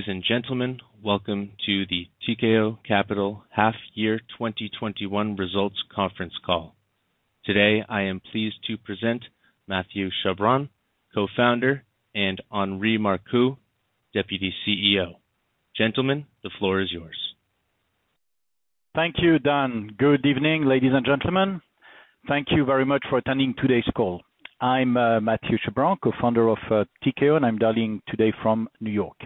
Ladies and gentlemen, welcome to the Tikehau Capital Half Year 2021 Results Conference Call. Today, I am pleased to present Mathieu Chabran, Co-Founder, and Henri Marcoux, Deputy CEO. Gentlemen, the floor is yours. Thank you, Dan. Good evening, ladies and gentlemen. Thank you very much for attending today's call. I'm Mathieu Chabran, Co-Founder of Tikehau, and I'm dialing today from New York.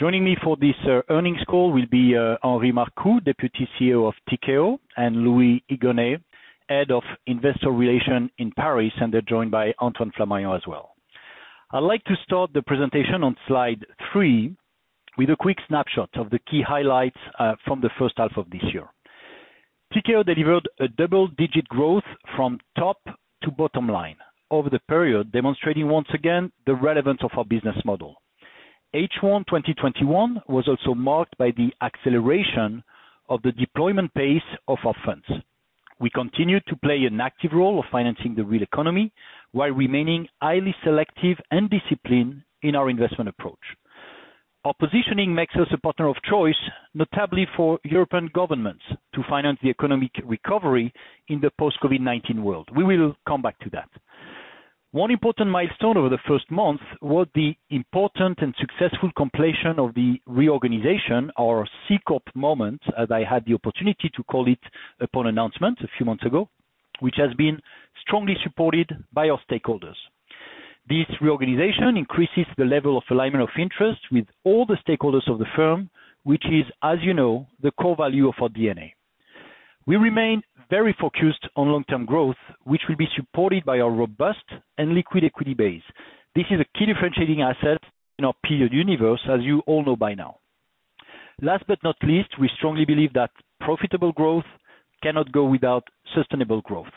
Joining me for this earnings call will be Henri Marcoux, Deputy CEO of Tikehau, and Louis Igonet, Head of Investor Relations in Paris, and they're joined by Antoine Flamarion as well. I'd like to start the presentation on slide three with a quick snapshot of the key highlights from the first half of this year. Tikehau delivered a double-digit growth from top to bottom line over the period, demonstrating once again the relevance of our business model. H1 2021 was also marked by the acceleration of the deployment pace of our funds. We continued to play an active role of financing the real economy while remaining highly selective and disciplined in our investment approach. Our positioning makes us a partner of choice, notably for European governments, to finance the economic recovery in the post-COVID-19 world. We will come back to that. One important milestone over the first month was the important and successful completion of the reorganization, or C corp moment, as I had the opportunity to call it upon announcement a few months ago, which has been strongly supported by our stakeholders. This reorganization increases the level of alignment of interest with all the stakeholders of the firm, which is, as you know, the core value of our DNA. We remain very focused on long-term growth, which will be supported by our robust and liquid equity base. This is a key differentiating asset in our peer universe, as you all know by now. Last but not least, we strongly believe that profitable growth cannot go without sustainable growth.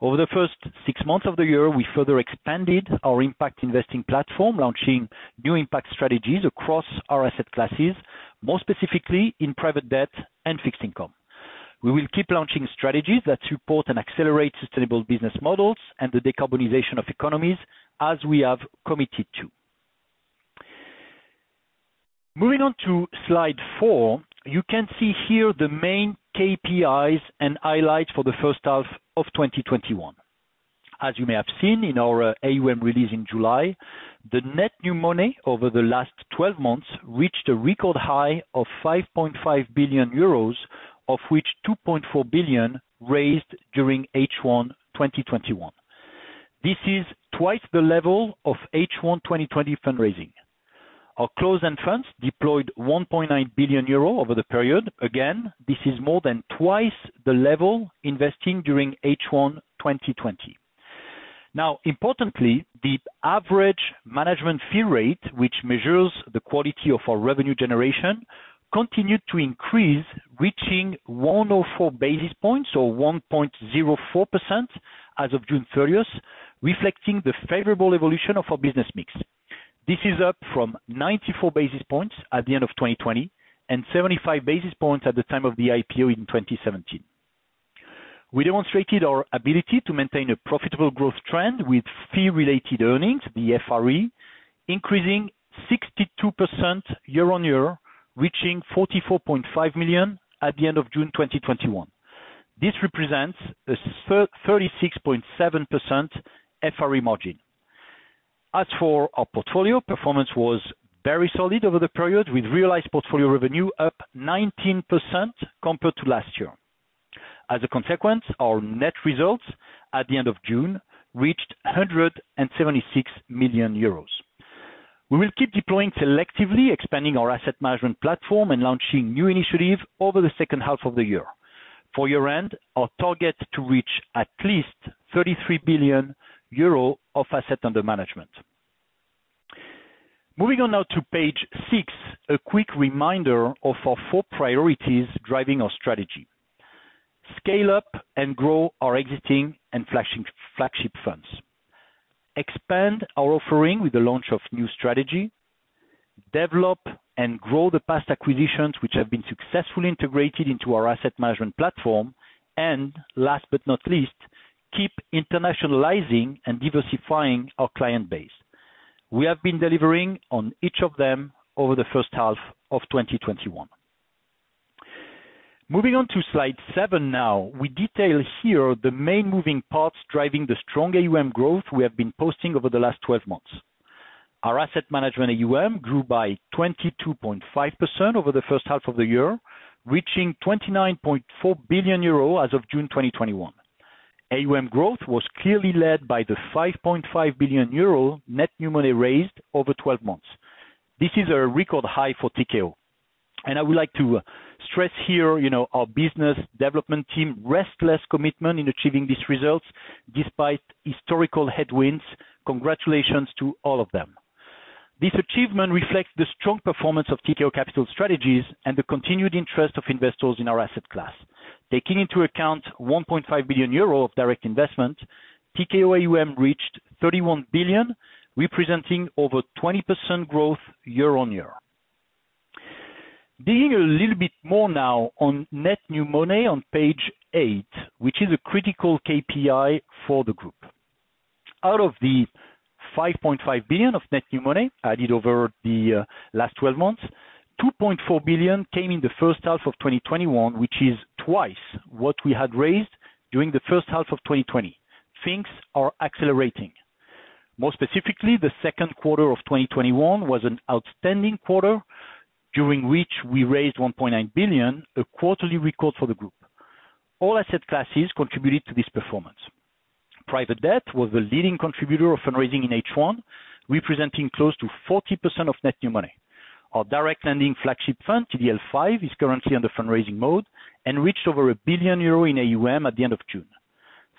Over the first six months of the year, we further expanded our impact investing platform, launching new impact strategies across our asset classes, more specifically in Private Debt and fixed income. We will keep launching strategies that support and accelerate sustainable business models and the decarbonization of economies as we have committed to. Moving on to slide four. You can see here the main KPIs and highlights for H1 2021. As you may have seen in our AUM release in July, the net new money over the last 12 months reached a record high of 5.5 billion euros, of which 2.4 billion raised during H1 2021. This is twice the level of H1 2020 fundraising. Our closed-end funds deployed 1.9 billion euro over the period. Again, this is more than twice the level investing during H1 2020. Now, importantly, the average management fee rate, which measures the quality of our revenue generation, continued to increase, reaching 104 basis points or 1.04% as of June 30th, reflecting the favorable evolution of our business mix. This is up from 94 basis points at the end of 2020 and 75 basis points at the time of the IPO in 2017. We demonstrated our ability to maintain a profitable growth trend with fee-related earnings, the FRE, increasing 62% year-over-year, reaching 44.5 million at the end of June 2021. This represents a 36.7% FRE margin. As for our portfolio, performance was very solid over the period with realized portfolio revenue up 19% compared to last year. As a consequence, our net results at the end of June reached 176 million euros. We will keep deploying selectively, expanding our asset management platform and launching new initiatives over the second half of the year. For year-end, our target to reach at least 33 billion euro of assets under management. Moving on now to page six, a quick reminder of our four priorities driving our strategy. Scale up and grow our existing and flagship funds. Expand our offering with the launch of new strategy. Develop and grow the past acquisitions which have been successfully integrated into our asset management platform. Last but not least, keep internationalizing and diversifying our client base. We have been delivering on each of them over the first half of 2021. Moving on to slide seven now. We detail here the main moving parts driving the strong AUM growth we have been posting over the last 12 months. Our asset management AUM grew by 22.5% over the first half of the year, reaching 29.4 billion euro as of June 2021. AUM growth was clearly led by the 5.5 billion euro net new money raised over 12 months. This is a record high for Tikehau, I would like to stress here our business development team restless commitment in achieving these results despite historical headwinds. Congratulations to all of them. This achievement reflects the strong performance of Tikehau Capital strategies and the continued interest of investors in our asset class. Taking into account 1.5 billion euro of direct investment, Tikehau AUM reached 31 billion, representing over 20% growth year-on-year. Digging a little bit more now on net new money on page eight, which is a critical KPI for the group. Out of the 5.5 billion of net new money added over the last 12 months, 2.4 billion came in the first half of 2021, which is twice what we had raised during the first half of 2020. Things are accelerating. More specifically, the second quarter of 2021 was an outstanding quarter, during which we raised 1.9 billion, a quarterly record for the group. All asset classes contributed to this performance. Private Debt was the leading contributor of fundraising in H1, representing close to 40% of net new money. Our direct lending flagship fund, TDL V, is currently under fundraising mode and reached over 1 billion euro in AUM at the end of June.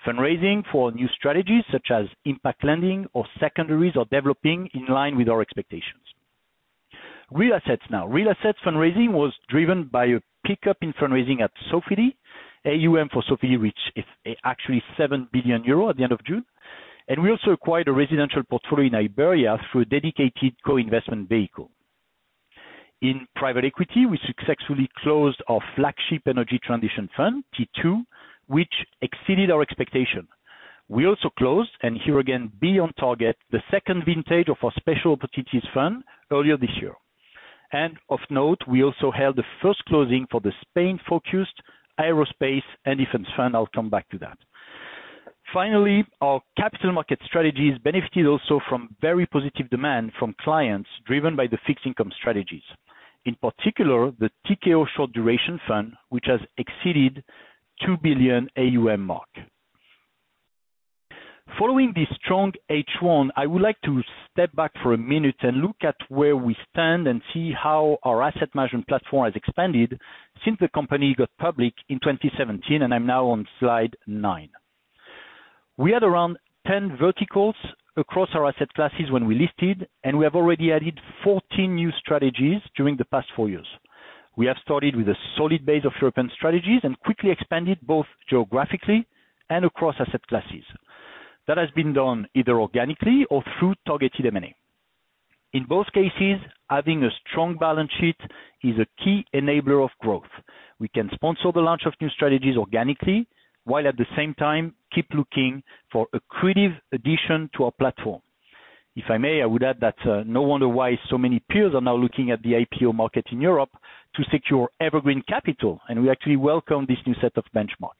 Fundraising for new strategies such as impact lending or secondaries are developing in line with our expectations. Real Assets now. Real Assets fundraising was driven by a pickup in fundraising at Sofidy. AUM for Sofidy, which is actually 7 billion euro at the end of June. We also acquired a residential portfolio in Iberia through a dedicated co-investment vehicle. In private equity, we successfully closed our flagship energy transition fund, T2, which exceeded our expectation. We also closed, and here again be on target, the second vintage of our Special Opportunities Fund earlier this year. Of note, we also held the first closing for the Spain-focused aerospace and defense fund. I'll come back to that. Finally, our Capital Markets Strategies benefited also from very positive demand from clients driven by the fixed income strategies, in particular, the Tikehau Short Duration fund, which has exceeded 2 billion AUM mark. Following this strong H1, I would like to step back for a minute and look at where we stand and see how our asset management platform has expanded since the company got public in 2017, and I'm now on slide nine. We had around 10 verticals across our asset classes when we listed, and we have already added 14 new strategies during the past four years. We have started with a solid base of European strategies and quickly expanded both geographically and across asset classes. That has been done either organically or through targeted M&A. In both cases, having a strong balance sheet is a key enabler of growth. We can sponsor the launch of new strategies organically, while at the same time keep looking for accretive addition to our platform. If I may, I would add that no wonder why so many peers are now looking at the IPO market in Europe to secure evergreen capital. We actually welcome this new set of benchmark.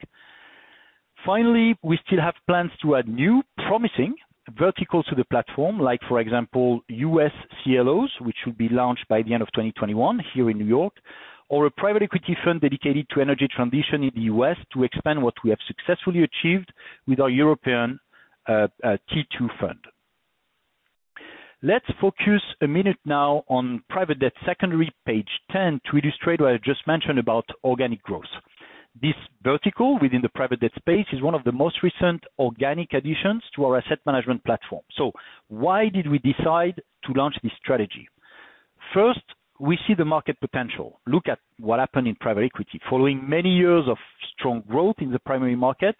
Finally, we still have plans to add new promising verticals to the platform like, for example, US CLOs, which will be launched by the end of 2021 here in New York, or a private equity fund dedicated to energy transition in the U.S. to expand what we have successfully achieved with our European T2 fund. Let's focus a minute now on Private Debt secondary, page 10, to illustrate what I just mentioned about organic growth. This vertical within the Private Debt space is one of the most recent organic additions to our asset management platform. Why did we decide to launch this strategy? First, we see the market potential. Look at what happened in private equity. Following many years of strong growth in the primary market,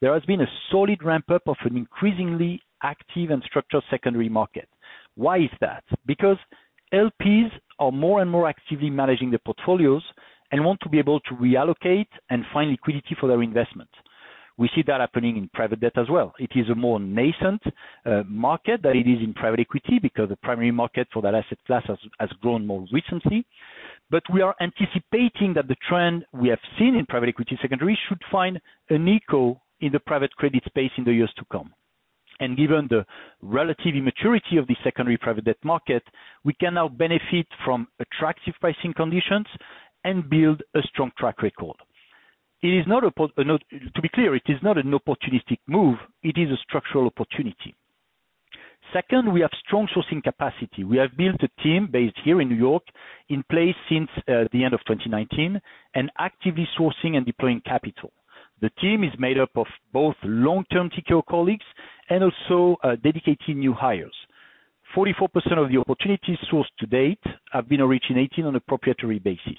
there has been a solid ramp-up of an increasingly active and structured secondary market. Why is that? LPs are more and more actively managing their portfolios and want to be able to reallocate and find liquidity for their investments. We see that happening in private debt as well. It is a more nascent market than it is in private equity because the primary market for that asset class has grown more recently. We are anticipating that the trend we have seen in private equity secondary should find an echo in the private credit space in the years to come. Given the relative immaturity of the secondary private debt market, we can now benefit from attractive pricing conditions and build a strong track record. To be clear, it is not an opportunistic move. It is a structural opportunity. Second, we have strong sourcing capacity. We have built a team based here in New York in place since the end of 2019 and actively sourcing and deploying capital. The team is made up of both long-term Tikehau colleagues and also dedicated new hires. 44% of the opportunities sourced to date have been originating on a proprietary basis.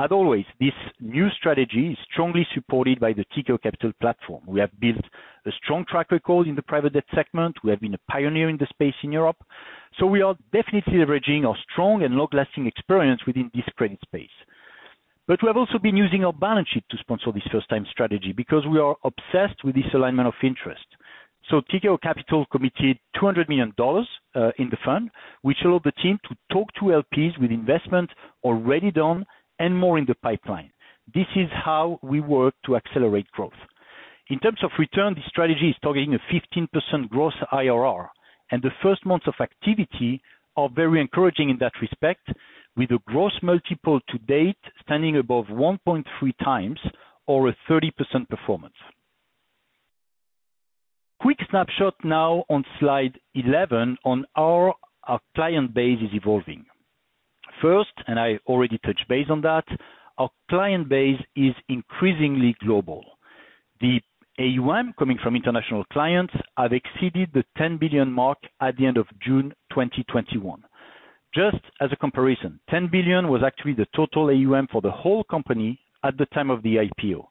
As always, this new strategy is strongly supported by the Tikehau Capital platform. We have built a strong track record in the Private Debt segment. We have been a pioneer in the space in Europe, so we are definitely leveraging our strong and long-lasting experience within this credit space. But we have also been using our balance sheet to sponsor this first-time strategy because we are obsessed with this alignment of interest. Tikehau Capital committed $200 million in the fund, which allowed the team to talk to LPs with investment already done and more in the pipeline. This is how we work to accelerate growth. In terms of return, this strategy is targeting a 15% gross IRR, and the first months of activity are very encouraging in that respect, with a gross multiple to date standing above 1.3x or a 30% performance. Quick snapshot now on slide 11 on how our client base is evolving. First, and I already touched base on that, our client base is increasingly global. The AUM coming from international clients have exceeded the 10 billion mark at the end of June 2021. Just as a comparison, 10 billion was actually the total AUM for the whole company at the time of the IPO.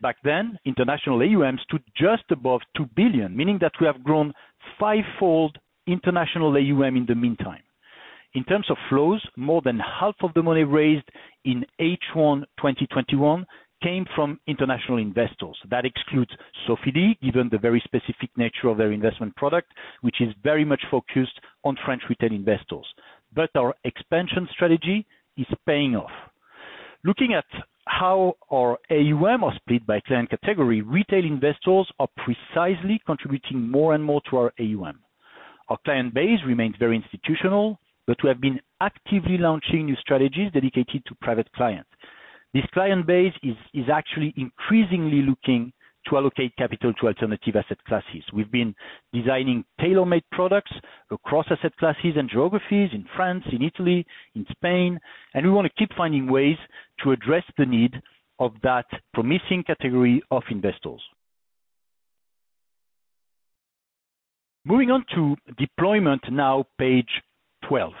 Back then, international AUM stood just above 2 billion, meaning that we have grown fivefold international AUM in the meantime. In terms of flows, more than half of the money raised in H1 2021 came from international investors. That excludes Sofidy, given the very specific nature of their investment product, which is very much focused on French retail investors. Our expansion strategy is paying off. Looking at how our AUM are split by client category, retail investors are precisely contributing more and more to our AUM. Our client base remains very institutional, we have been actively launching new strategies dedicated to private clients. This client base is actually increasingly looking to allocate capital to alternative asset classes. We've been designing tailor-made products across asset classes and geographies in France, in Italy, in Spain. We want to keep finding ways to address the need of that promising category of investors. Moving on to deployment now, page 12.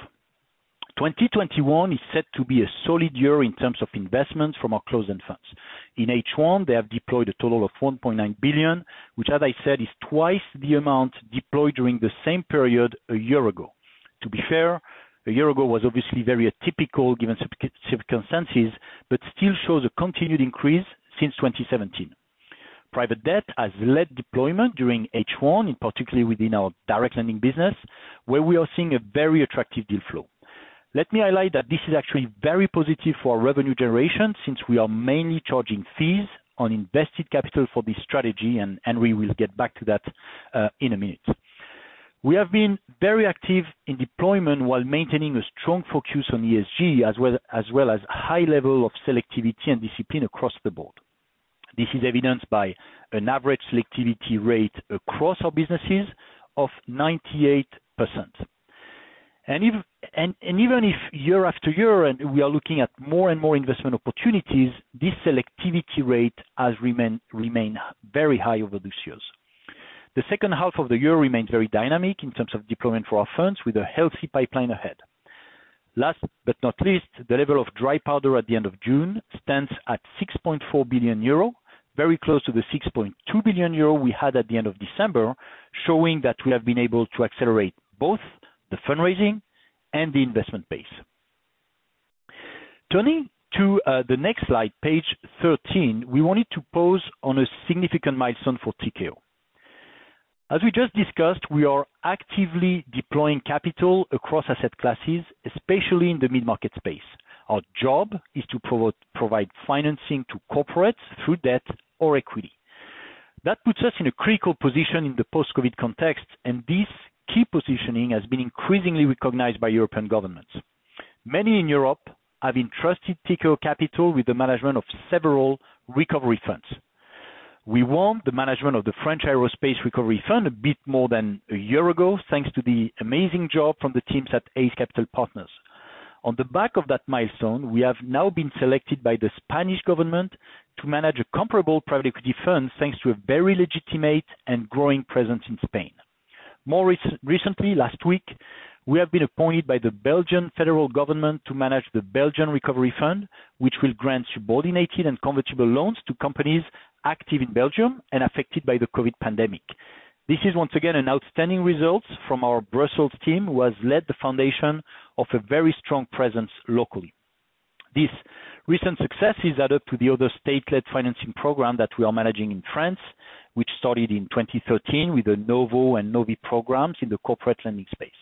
2021 is set to be a solid year in terms of investments from our closed-end funds. In H1, they have deployed a total of 1.9 billion, which as I said, is twice the amount deployed during the same period one year ago. To be fair, one year ago was obviously very atypical given circumstances. Still shows a continued increase since 2017. Private Debt has led deployment during H1, in particular within our direct lending business, where we are seeing a very attractive deal flow. Let me highlight that this is actually very positive for our revenue generation, since we are mainly charging fees on invested capital for this strategy, and we will get back to that in a minute. We have been very active in deployment while maintaining a strong focus on ESG, as well as high level of selectivity and discipline across the board. This is evidenced by an average selectivity rate across our businesses of 98%. Even if year after year, and we are looking at more and more investment opportunities, this selectivity rate has remained very high over these years. The second half of the year remains very dynamic in terms of deployment for our funds, with a healthy pipeline ahead. Last but not least, the level of dry powder at the end of June stands at 6.4 billion euro, very close to the 6.2 billion euro we had at the end of December, showing that we have been able to accelerate both the fundraising and the investment base. Turning to the next slide, page 13, we wanted to pause on a significant milestone for Tikehau. As we just discussed, we are actively deploying capital across asset classes, especially in the mid-market space. Our job is to provide financing to corporates through debt or equity. That puts us in a critical position in the post-COVID context, and this key positioning has been increasingly recognized by European governments. Many in Europe have entrusted Tikehau Capital with the management of several recovery funds. We won the management of the French Aerospace Recovery Fund a bit more than one year ago, thanks to the amazing job from the teams at Ace Capital Partners. On the back of that milestone, we have now been selected by the Spanish government to manage a comparable private equity fund, thanks to a very legitimate and growing presence in Spain. More recently, last week, we have been appointed by the Belgian Federal Government to manage the Belgian Recovery Fund, which will grant subordinated and convertible loans to companies active in Belgium and affected by the COVID pandemic. This is once again an outstanding result from our Brussels team, who has led the foundation of a very strong presence locally. This recent success is added to the other state-led financing program that we are managing in France, which started in 2013 with the NOVO and NOVI programs in the corporate lending space.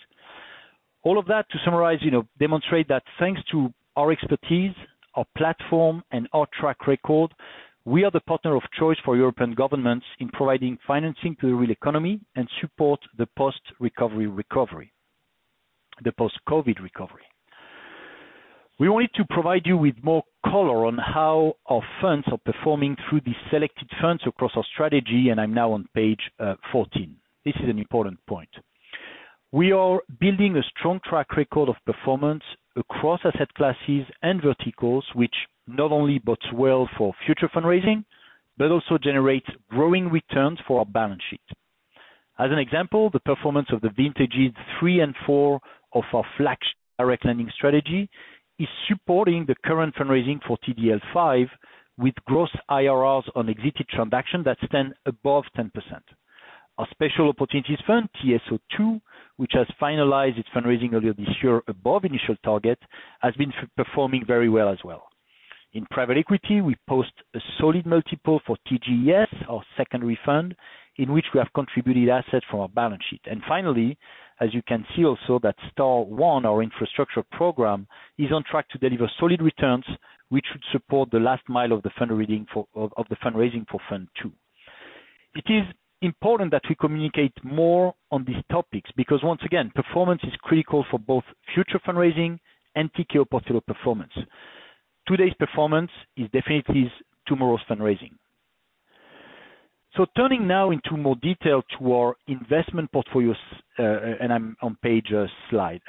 All of that to summarize, demonstrate that thanks to our expertise, our platform, and our track record, we are the partner of choice for European governments in providing financing to the real economy and support the post-COVID recovery. We wanted to provide you with more color on how our funds are performing through these selected funds across our strategy, and I'm now on page 14. This is an important point. We are building a strong track record of performance across asset classes and verticals, which not only bodes well for future fundraising, but also generates growing returns for our balance sheet. As an example, the performance of the vintages three and four of our flagship direct lending strategy is supporting the current fundraising for TDL V with gross IRRs on exited transaction that stand above 10%. Our special opportunities fund, TSO II, which has finalized its fundraising earlier this year above initial target, has been performing very well as well. In Private Equity, we post a solid multiple for TGES, our secondary fund, in which we have contributed assets from our balance sheet. Finally, as you can see also that Star One, our infrastructure program, is on track to deliver solid returns, which would support the last mile of the fundraising for Fund Two. It is important that we communicate more on these topics because once again, performance is critical for both future fundraising and Tikehau portfolio performance. Today's performance is definitely tomorrow's fundraising. Turning now into more detail to our investment portfolios, and I'm on page 15.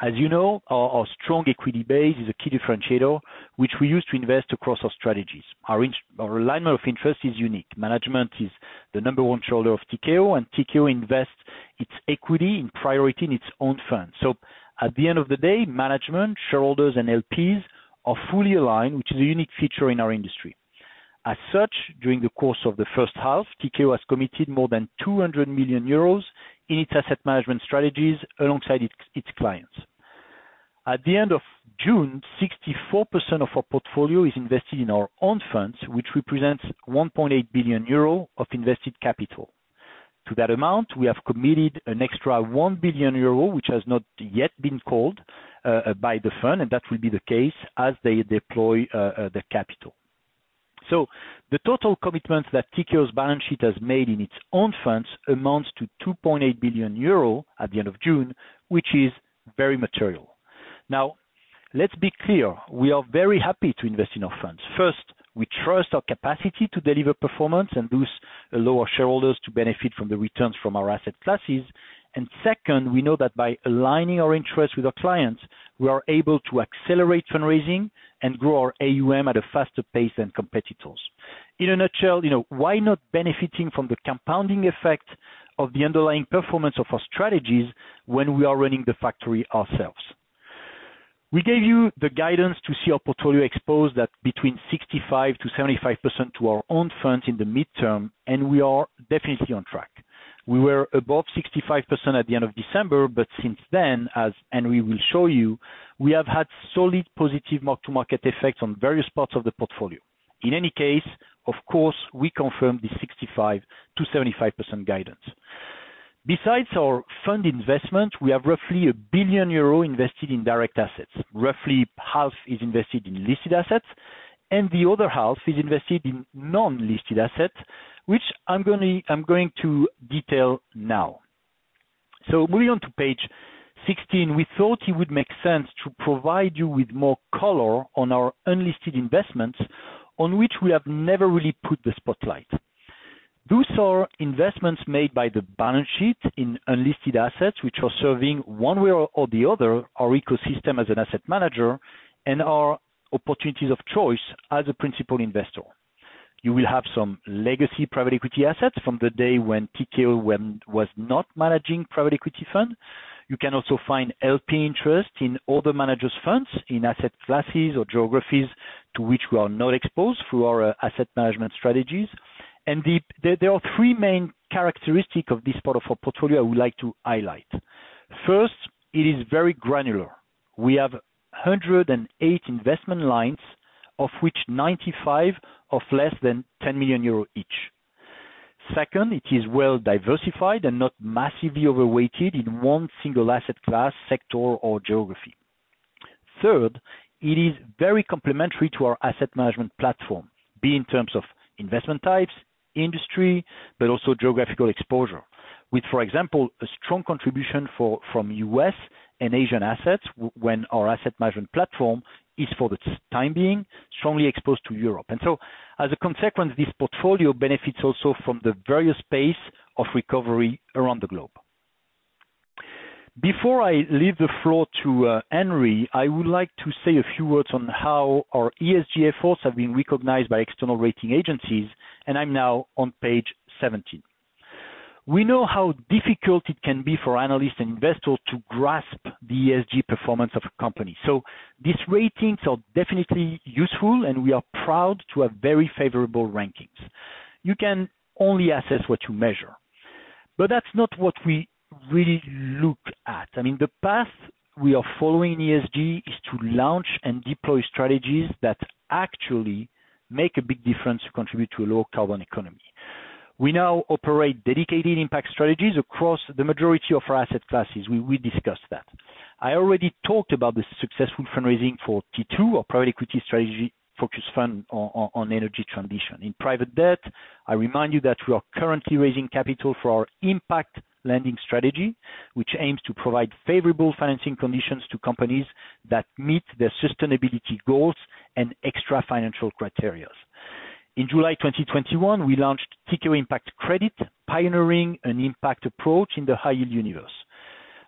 As you know, our strong equity base is a key differentiator, which we use to invest across our strategies. Our alignment of interest is unique. Management is the number one shareholder of Tikehau, and Tikehau invests its equity in priority in its own funds. At the end of the day, management, shareholders, and LPs are fully aligned, which is a unique feature in our industry. As such, during the course of the first half, Tikehau has committed more than 200 million euros in its asset management strategies alongside its clients. At the end of June, 64% of our portfolio is invested in our own funds, which represents 1.8 billion euro of invested capital. To that amount, we have committed an extra 1 billion euro, which has not yet been called by the fund, and that will be the case as they deploy the capital. The total commitments that Tikehau's balance sheet has made in its own funds amounts to 2.8 billion euro at the end of June, which is very material. Now, let's be clear. We are very happy to invest in our funds. First, we trust our capacity to deliver performance and thus allow our shareholders to benefit from the returns from our asset classes. Second, we know that by aligning our interests with our clients, we are able to accelerate fundraising and grow our AUM at a faster pace than competitors. In a nutshell, why not benefiting from the compounding effect of the underlying performance of our strategies when we are running the factory ourselves? We gave you the guidance to see our portfolio exposed at between 65%-75% to our own funds in the midterm. We are definitely on track. We were above 65% at the end of December. Since then, as Henri Marcoux will show you, we have had solid positive mark-to-market effects on various parts of the portfolio. In any case, of course, we confirm the 65%-75% guidance. Besides our fund investment, we have roughly 1 billion euro invested in direct assets. Roughly half is invested in listed assets. The other half is invested in non-listed assets, which I'm going to detail now. Moving on to page 16, we thought it would make sense to provide you with more color on our unlisted investments on which we have never really put the spotlight. Those are investments made by the balance sheet in unlisted assets, which are serving, one way or the other, our ecosystem as an asset manager and our opportunities of choice as a principal investor. You will have some legacy private equity assets from the day when Tikehau was not managing private equity fund. You can also find LP interest in other managers' funds, in asset classes or geographies to which we are not exposed through our asset management strategies. There are three main characteristics of this part of our portfolio I would like to highlight. First, it is very granular. We have 108 investment lines, of which 95 of less than 10 million euros each. Second, it is well diversified and not massively overweighted in one single asset class, sector, or geography. It is very complementary to our asset management platform, be in terms of investment types, industry, but also geographical exposure, with, for example, a strong contribution from U.S. and Asian assets when our asset management platform is, for the time being, strongly exposed to Europe. As a consequence, this portfolio benefits also from the various pace of recovery around the globe. Before I leave the floor to Henri, I would like to say a few words on how our ESG efforts have been recognized by external rating agencies, and I'm now on page 17. We know how difficult it can be for analysts and investors to grasp the ESG performance of a company. These ratings are definitely useful, and we are proud to have very favorable rankings. You can only assess what you measure. That's not what we really look at. I mean, the path we are following in ESG is to launch and deploy strategies that actually make a big difference to contribute to a low-carbon economy. We now operate dedicated impact strategies across the majority of our asset classes. We discussed that. I already talked about the successful fundraising for T2, our private equity strategy-focused fund on energy transition. In private debt, I remind you that we are currently raising capital for our impact lending strategy, which aims to provide favorable financing conditions to companies that meet their sustainability goals and extra-financial criteria. In July 2021, we launched Tikehau Impact Credit, pioneering an impact approach in the high-yield universe.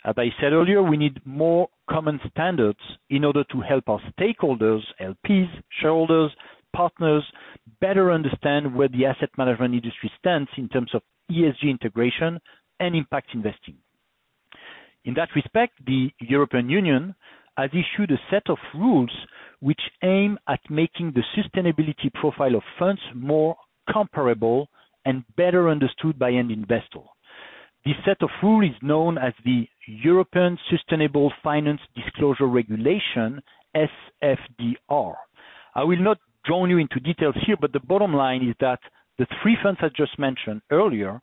As I said earlier, we need more common standards in order to help our stakeholders, LPs, shareholders, partners, better understand where the asset management industry stands in terms of ESG integration and impact investing. In that respect, the European Union has issued a set of rules which aim at making the sustainability profile of funds more comparable and better understood by an investor. This set of rules is known as the European Sustainable Finance Disclosure Regulation, SFDR. I will not drown you into details here, but the bottom line is that the three funds I just mentioned earlier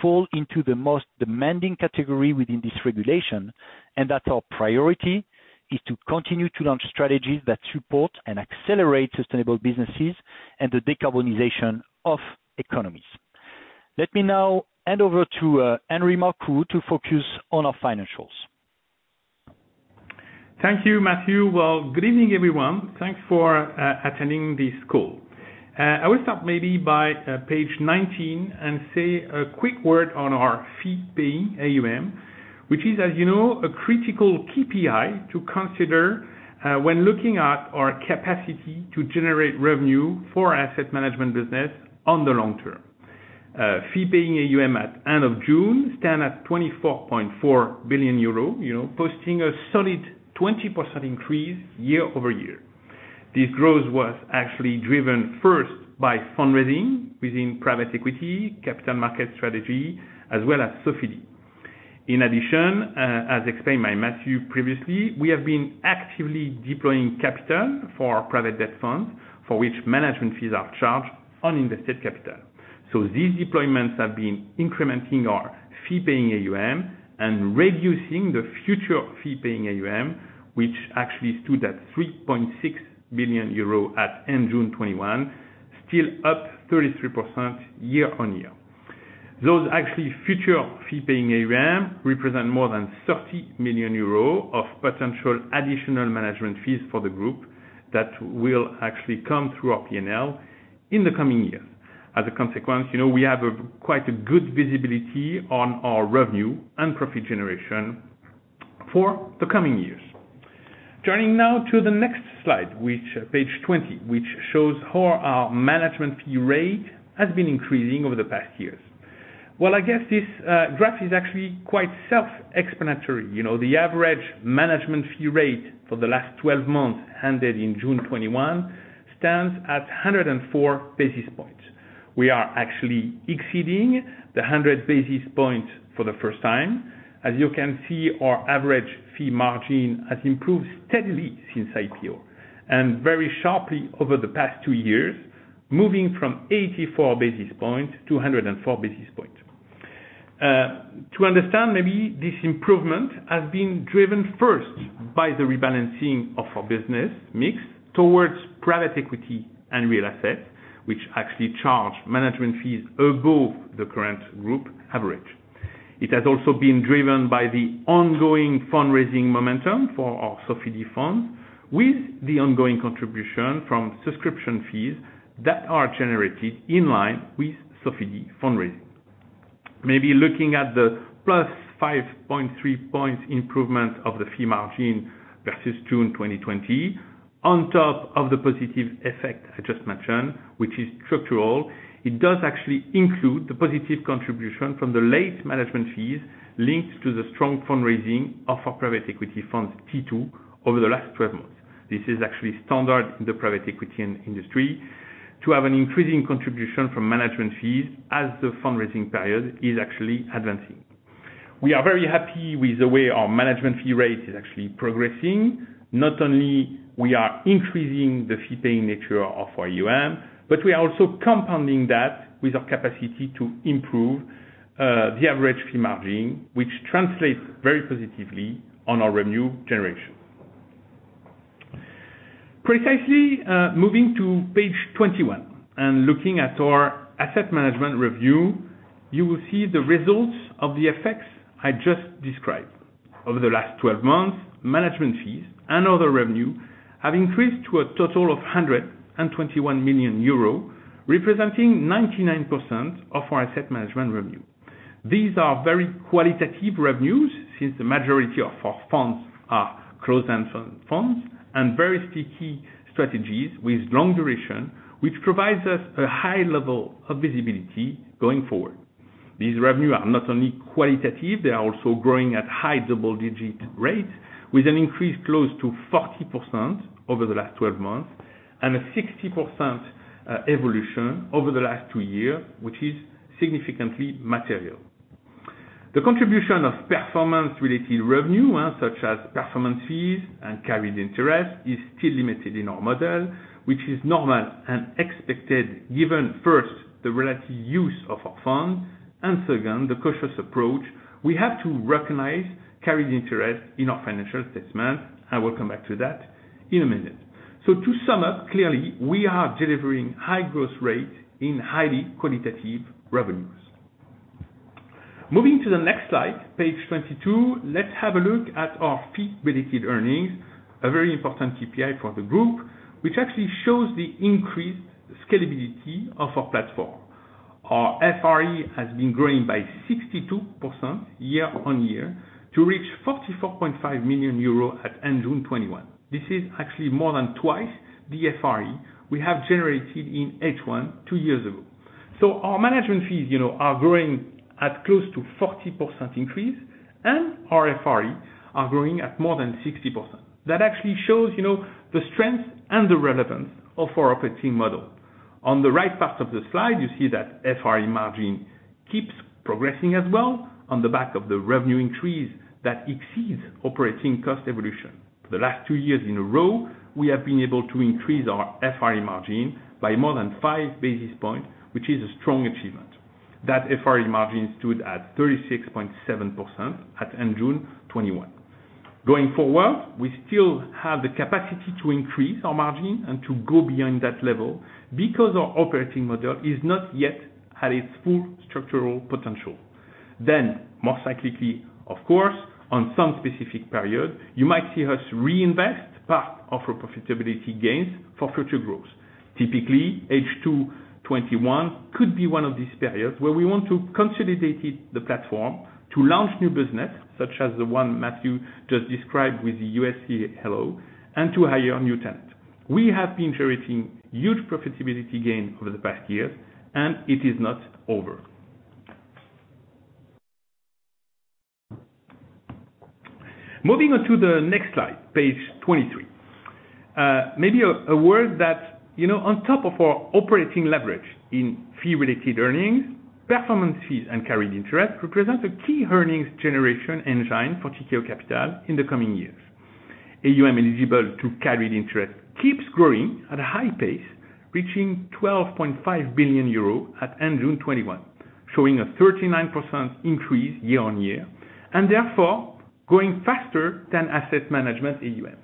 fall into the most demanding category within this regulation, and that our priority is to continue to launch strategies that support and accelerate sustainable businesses and the decarbonization of economies. Let me now hand over to Henri Marcoux to focus on our financials. Thank you, Mathieu. Well, good evening, everyone. Thanks for attending this call. I will start maybe by page 19 and say a quick word on our fee-paying AUM, which is, as you know, a critical KPI to consider when looking at our capacity to generate revenue for our asset management business on the long term. Fee-paying AUM at end of June stand at 24.4 billion euro, posting a solid 20% increase year-over-year. This growth was actually driven first by fundraising within Private Equity, Capital Markets Strategies, as well as Sofidy. In addition, as explained by Mathieu previously, we have been actively deploying capital for our Private Debt funds, for which management fees are charged on invested capital. These deployments have been incrementing our fee-paying AUM and reducing the future fee-paying AUM, which actually stood at 3.6 billion euro at end June 2021, still up 33% year-on-year. Those actually future fee-paying AUM represent more than 30 million euros of potential additional management fees for the group that will actually come through our P&L in the coming years. As a consequence, we have quite a good visibility on our revenue and profit generation for the coming years. Turning now to the next slide, page 20, which shows how our management fee rate has been increasing over the past years. Well, I guess this graph is actually quite self-explanatory. The average management fee rate for the last 12 months ended in June 2021, stands at 104 basis points. We are actually exceeding the 100 basis points for the first time. As you can see, our average fee margin has improved steadily since IPO, and very sharply over the past two years, moving from 84 basis points to 104 basis points. To understand maybe this improvement has been driven first by the rebalancing of our business mix towards Private Equity and Real Assets, which actually charge management fees above the current group average. It has also been driven by the ongoing fundraising momentum for our Sofidy funds, with the ongoing contribution from subscription fees that are generated in line with Sofidy fundraising. Maybe looking at the +5.3 points improvement of the fee margin versus June 2020, on top of the positive effect I just mentioned, which is structural, it does actually include the positive contribution from the late management fees linked to the strong fundraising of our Private Equity funds T2 over the last 12 months. This is actually standard in the Private Equity industry to have an increasing contribution from management fees as the fundraising period is actually advancing. We are very happy with the way our management fee rate is actually progressing. Not only we are increasing the fee-paying nature of our AUM, but we are also compounding that with our capacity to improve the average fee margin, which translates very positively on our revenue generation. Precisely moving to page 21 and looking at our asset management review, you will see the results of the effects I just described. Over the last 12 months, management fees and other revenue have increased to a total of 121 million euro, representing 99% of our asset management revenue. These are very qualitative revenues since the majority of our funds are closed funds and very sticky strategies with long duration, which provides us a high level of visibility going forward. These revenue are not only qualitative, they are also growing at high double-digit rates, with an increase close to 40% over the last 12 months and a 60% evolution over the last two years, which is significantly material. The contribution of performance-related revenue, such as performance fees and carried interest, is still limited in our model, which is normal and expected, given first, the relative use of our funds, and second, the cautious approach we have to recognize carried interest in our financial statement. I will come back to that in a minute. To sum up, clearly, we are delivering high growth rate in highly qualitative revenues. Moving to the next slide, page 22, let's have a look at our fee-related earnings, a very important KPI for the group, which actually shows the increased scalability of our platform. Our FRE has been growing by 62% year-on-year to reach 44.5 million euro at end June 2021. This is actually more than twice the FRE we have generated in H1 two years ago. Our management fees are growing at close to 40% increase, and our FRE are growing at more than 60%. That actually shows the strength and the relevance of our operating model. On the right part of the slide, you see that FRE margin keeps progressing as well on the back of the revenue increase that exceeds operating cost evolution. For the last two years in a row, we have been able to increase our FRE margin by more than five basis points, which is a strong achievement. That FRE margin stood at 36.7% at end June 2021. Going forward, we still have the capacity to increase our margin and to go beyond that level because our operating model is not yet at its full structural potential. More cyclically, of course, on some specific period, you might see us reinvest part of our profitability gains for future growth. Typically, H2 2021 could be one of these periods where we want to consolidate the platform to launch new business, such as the one Mathieu Chabran just described with US CLO, and to hire new talent. We have been generating huge profitability gain over the past years, and it is not over. Moving on to the next slide, page 23. Maybe a word that, on top of our operating leverage in fee-related earnings, performance fees and carried interest represent a key earnings generation engine for Tikehau Capital in the coming years. AUM eligible to carried interest keeps growing at a high pace, reaching 12.5 billion euros at end June 2021, showing a 39% increase year-on-year, therefore going faster than asset management AUM.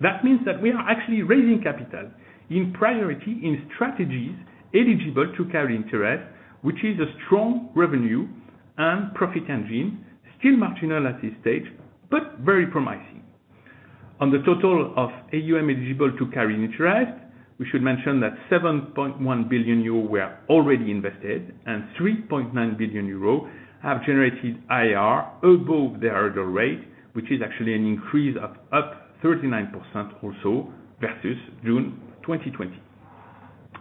That means that we are actually raising capital in priority in strategies eligible to carried interest, which is a strong revenue and profit engine, still marginal at this stage, very promising. On the total of AUM eligible to carried interest, we should mention that 7.1 billion euro were already invested, 3.9 billion euro have generated IRR above their hurdle rate, which is actually an increase of up 39% also versus June 2020.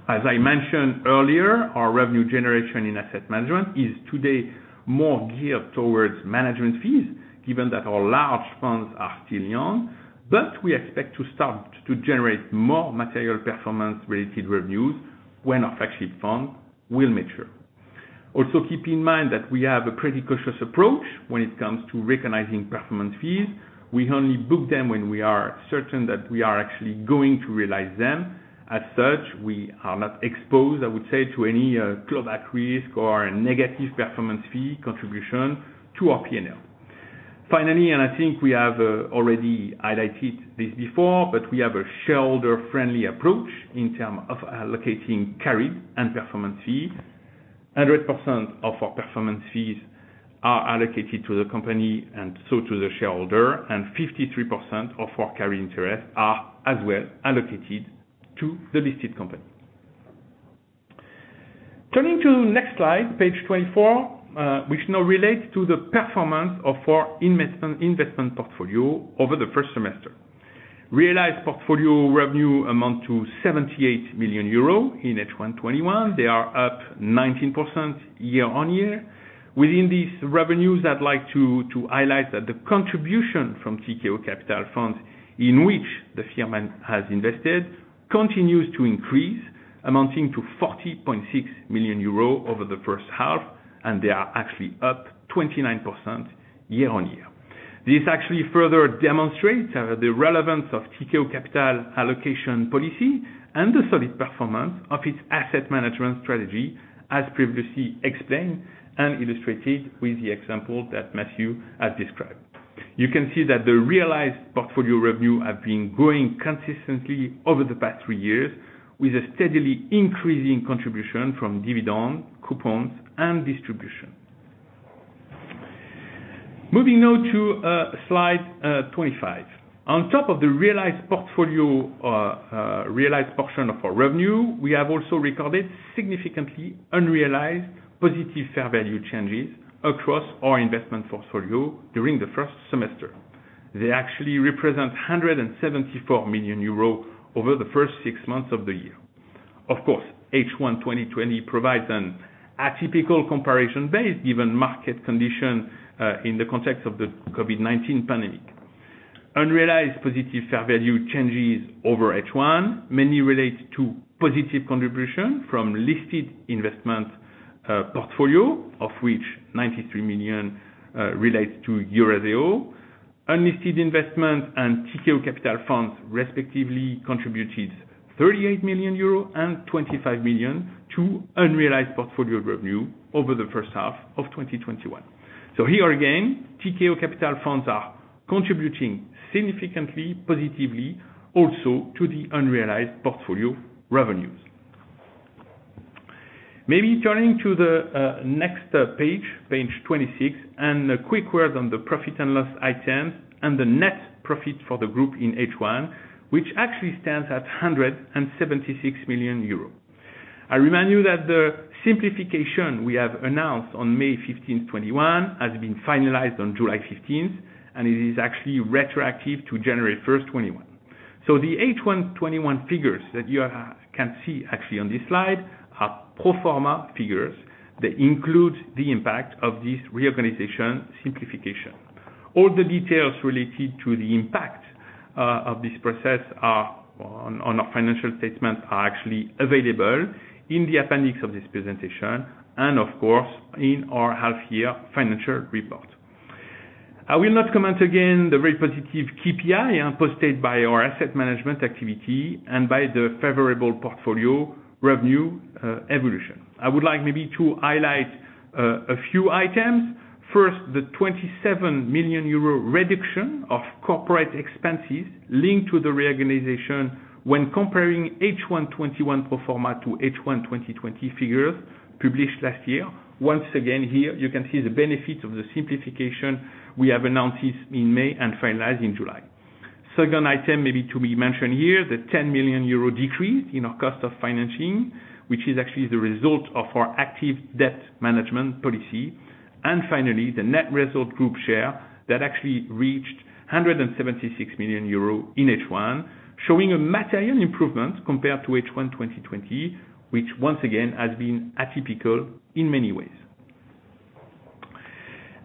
As I mentioned earlier, our revenue generation in asset management is today more geared towards management fees, given that our large funds are still young. We expect to start to generate more material performance-related revenues when our flagship fund will mature. Keep in mind that we have a pretty cautious approach when it comes to recognizing performance fees. We only book them when we are certain that we are actually going to realize them. As such, we are not exposed, I would say, to any clawback risk or negative performance fee contribution to our P&L. Finally, I think we have already highlighted this before, but we have a shareholder-friendly approach in term of allocating carried and performance fees. 100% of our performance fees are allocated to the company, so to the shareholder, 53% of our carried interest are as well allocated to the listed company. Turning to next slide, page 24, which now relates to the performance of our investment portfolio over the first semester. Realized portfolio revenue amount to €78 million in H1 2021. They are up 19% year on year. Within these revenues, I'd like to highlight that the contribution from Tikehau Capital funds in which the firm has invested continues to increase, amounting to 40.6 million euros over the first half, and they are actually up 29% year-on-year. This actually further demonstrates the relevance of Tikehau Capital allocation policy and the solid performance of its asset management strategy, as previously explained and illustrated with the example that Mathieu has described. You can see that the realized portfolio revenue have been growing consistently over the past three years with a steadily increasing contribution from dividend, coupons, and distribution. Moving now to slide 25. On top of the realized portion of our revenue, we have also recorded significantly unrealized positive fair value changes across our investment portfolio during the first semester. They actually represent 174 million euros over the first six months of the year. Of course, H1 2020 provides an atypical comparison base given market condition in the context of the COVID-19 pandemic. Unrealized positive fair value changes over H1 mainly relate to positive contribution from listed investment portfolio, of which 93 million relates to Eurazeo. Unlisted investment and Tikehau Capital funds respectively contributed 38 million euro and 25 million to unrealized portfolio revenue over the first half of 2021. Here again, Tikehau Capital funds are contributing significantly positively also to the unrealized portfolio revenues. Maybe turning to the next page 26, and a quick word on the profit and loss items and the net profit for the group in H1, which actually stands at 176 million euros. I remind you that the simplification we have announced on May 15th, 2021 has been finalized on July 15th, and it is actually retroactive to January 1st, 2021. The H1 2021 figures that you can see actually on this slide are pro forma figures that include the impact of this reorganization simplification. All the details related to the impact of this process on our financial statement are actually available in the appendix of this presentation and of course, in our half-year financial report. I will not comment again the very positive KPI posted by our asset management activity and by the favorable portfolio revenue evolution. I would like maybe to highlight a few items. First, the 27 million euro reduction of corporate expenses linked to the reorganization when comparing H1 2021 pro forma to H1 2020 figures published last year. Once again here, you can see the benefit of the simplification we have announced in May and finalized in July. Second item maybe to be mentioned here, the 10 million euro decrease in our cost of financing, which is actually the result of our active debt management policy. Finally, the net result group share that actually reached 176 million euros in H1, showing a material improvement compared to H1 2020, which once again has been atypical in many ways.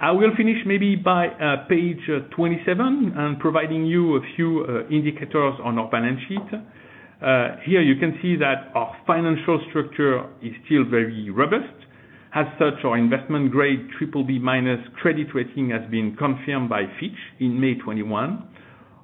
I will finish maybe by page 27 and providing you a few indicators on our balance sheet. Here you can see that our financial structure is still very robust. As such, our investment grade BBB- credit rating has been confirmed by Fitch in May 2021.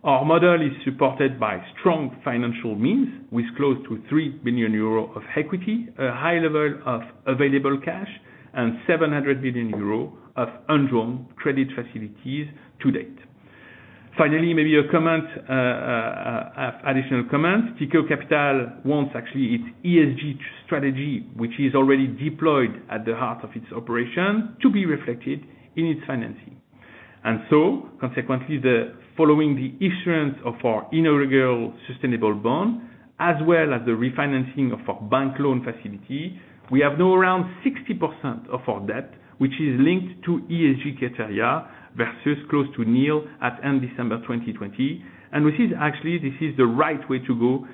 Our model is supported by strong financial means with close to 3 billion euro of equity, a high level of available cash, and 700 million euro of undrawn credit facilities to date. Finally, maybe an additional comment. Tikehau Capital wants actually its ESG strategy, which is already deployed at the heart of its operation, to be reflected in its financing. Consequently, following the issuance of our inaugural sustainable bond as well as the refinancing of our bank loan facility, we have now around 60% of our debt, which is linked to ESG criteria versus close to nil at end December 2020. We feel actually this is the right way to go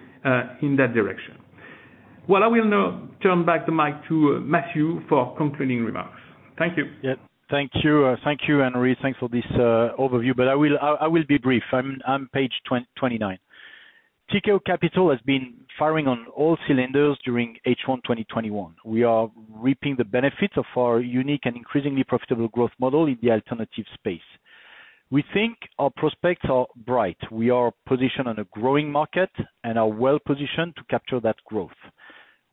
in that direction. Well, I will now turn back the mic to Mathieu for concluding remarks. Thank you. Thank you, Henri. Thanks for this overview. I will be brief. I'm page 29. Tikehau Capital has been firing on all cylinders during H1 2021. We are reaping the benefits of our unique and increasingly profitable growth model in the alternative space. We think our prospects are bright. We are positioned on a growing market and are well-positioned to capture that growth.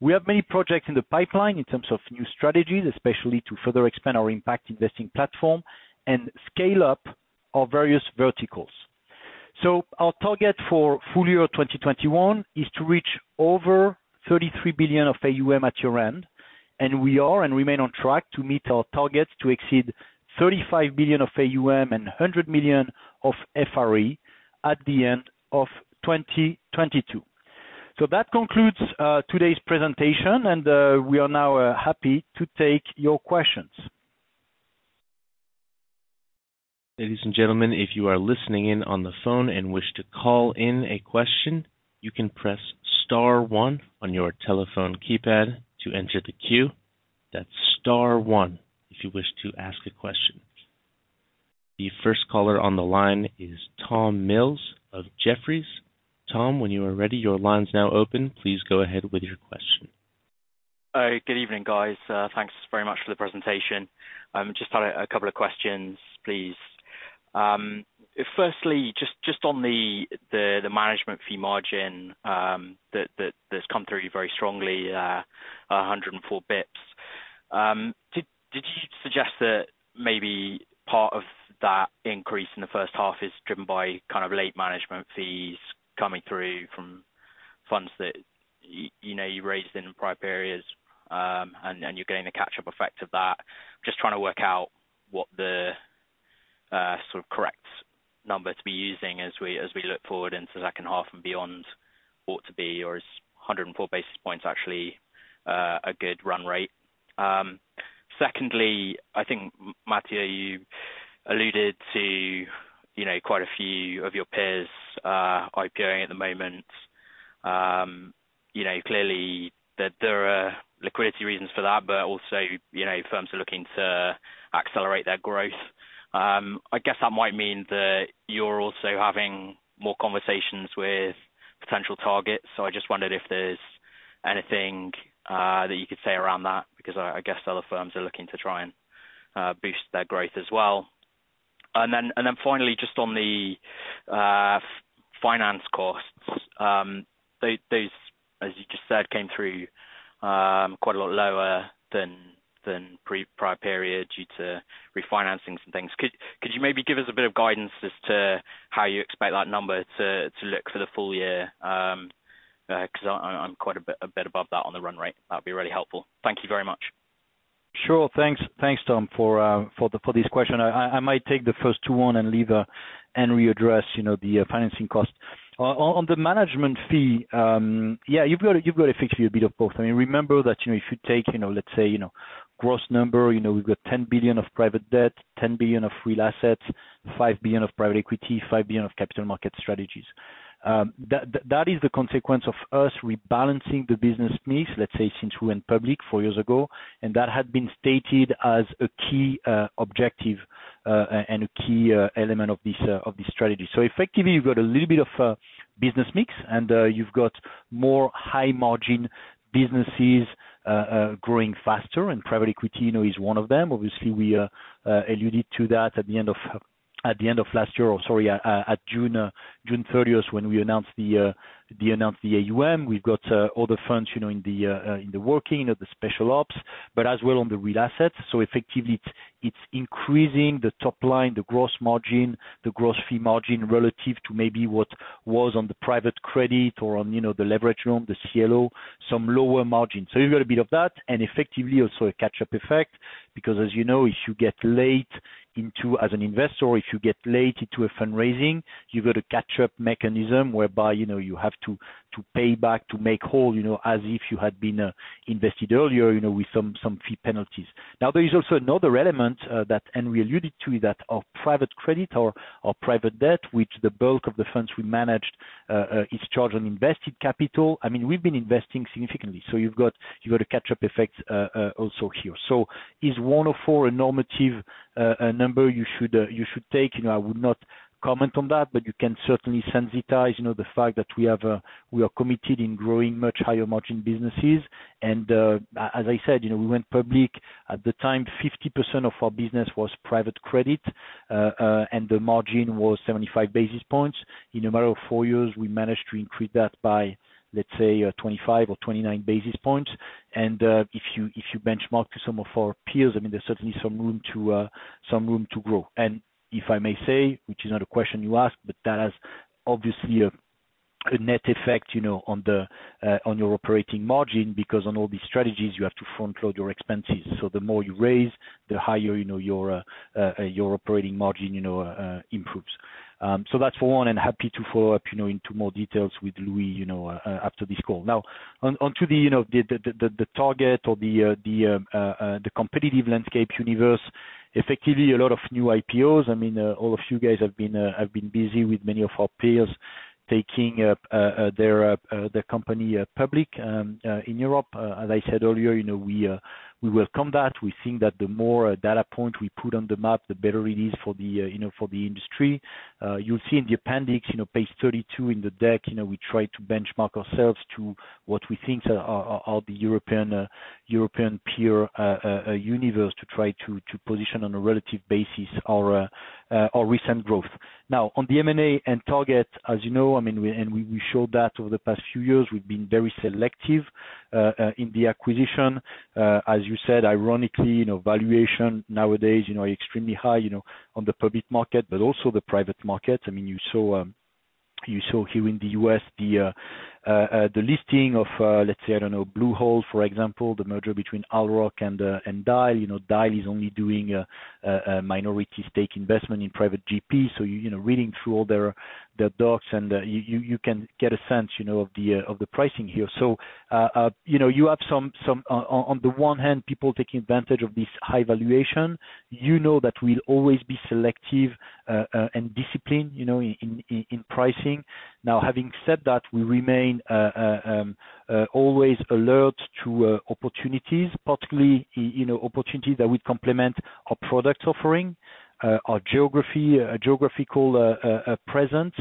We have many projects in the pipeline in terms of new strategies, especially to further expand our impact investing platform and scale up our various verticals. Our target for full year 2021 is to reach over 33 billion of AUM at year-end. We are and remain on track to meet our targets to exceed 35 billion of AUM and 100 million of FRE at the end of 2022. That concludes today's presentation, and we are now happy to take your questions. Ladies and gentlemen, if you are listening in on the phone and wish to call in a question, you can press star one on your telephone keypad to enter the queue. That's star one if you wish to ask a question. The first caller on the line is Tom Mills of Jefferies. Tom, when you are ready, your line's now open. Please go ahead with your question. Good evening, guys. Thanks very much for the presentation. Just had a couple of questions, please. Firstly, just on the management fee margin that's come through very strongly, 104 basis points. Did you suggest that maybe part of that increase in the first half is driven by late management fees coming through from funds that you raised in prior periods, and you're getting the catch-up effect of that? I'm just trying to work out what the correct number to be using as we look forward into the second half and beyond ought to be, or is 104 basis points actually a good run rate? Secondly, I think, Mathieu, you alluded to quite a few of your peers IPOing at the moment. Clearly, there are liquidity reasons for that, but also firms are looking to accelerate their growth. I guess that might mean that you're also having more conversations with potential targets. I just wondered if there's anything that you could say around that because I guess other firms are looking to try and boost their growth as well. Finally, just on the finance costs. Those, as you just said, came through quite a lot lower than pre-prior period due to refinancings and things. Could you maybe give us a bit of guidance as to how you expect that number to look for the full year? Because I'm quite a bit above that on the run rate. That'd be really helpful. Thank you very much. Sure. Thanks, Tom Mills, for this question. I might take the first two on and leave Henri Marcoux address the financing cost. On the management fee, yeah, you've got effectively a bit of both. Remember that if you take, let's say, gross number, we've got 10 billion of Private Debt, 10 billion of Real Assets, 5 billion of Private Equity, 5 billion of Capital Markets Strategies. That is the consequence of us rebalancing the business mix, let's say, since we went public four years ago, and that had been stated as a key objective and a key element of this strategy. Effectively, you've got a little bit of a business mix, and you've got more high-margin businesses growing faster, and Private Equity is one of them. Obviously, we alluded to that at the end of last year, or sorry, at June 30th when we announced the AUM. We've got all the funds in the working of the Special Opportunities, as well on the Real Assets. Effectively it's increasing the top line, the gross margin, the gross fee margin relative to maybe what was on the private credit or on the leveraged loan, the CLO, some lower margin. You've got a bit of that, and effectively also a catch-up effect because as you know, if you get late into as an investor or if you get late into a fundraising, you've got a catch-up mechanism whereby you have to pay back to make whole as if you had been invested earlier with some fee penalties. There is also another element that Henri Marcoux alluded to that our private credit or Private Debt, which the bulk of the funds we managed is charged on invested capital. We've been investing significantly, you've got a catch-up effect also here. Is 104 a normative number you should take? I would not comment on that, but you can certainly sensitize the fact that we are committed in growing much higher margin businesses. As I said, we went public. At the time, 50% of our business was private credit, and the margin was 75 basis points. In a matter of four years, we managed to increase that by, let's say, 25 or 29 basis points. If you benchmark to some of our peers, there's certainly some room to grow. If I may say, which is not a question you asked, but that has obviously a net effect on your operating margin, because on all these strategies, you have to front-load your expenses. The more you raise, the higher your operating margin improves. That's for one, and happy to follow up into more details with Louis after this call. Onto the target or the competitive landscape universe. Effectively, a lot of new IPOs. All of you guys have been busy with many of our peers taking their company public in Europe. As I said earlier, we welcome that. We think that the more data point we put on the map, the better it is for the industry. You'll see in the appendix, page 32 in the deck, we try to benchmark ourselves to what we think are the European peer universe to try to position on a relative basis our recent growth. On the M&A and target as you know, and we showed that over the past few years, we've been very selective in the acquisition. As you said, ironically, valuation nowadays extremely high on the public market, but also the private market. You saw here in the U.S. the listing of let's say, I don't know, Blue Owl, for example, the merger between Owl Rock Capital Group and Dyal Capital Partners. Dyal Capital Partners is only doing a minority stake investment in private GP. You're reading through all their docs, and you can get a sense of the pricing here. You have some, on the one hand, people taking advantage of this high valuation. You know that we'll always be selective and disciplined in pricing. Having said that, we remain always alert to opportunities, particularly opportunities that would complement our product offering, our geographical presence,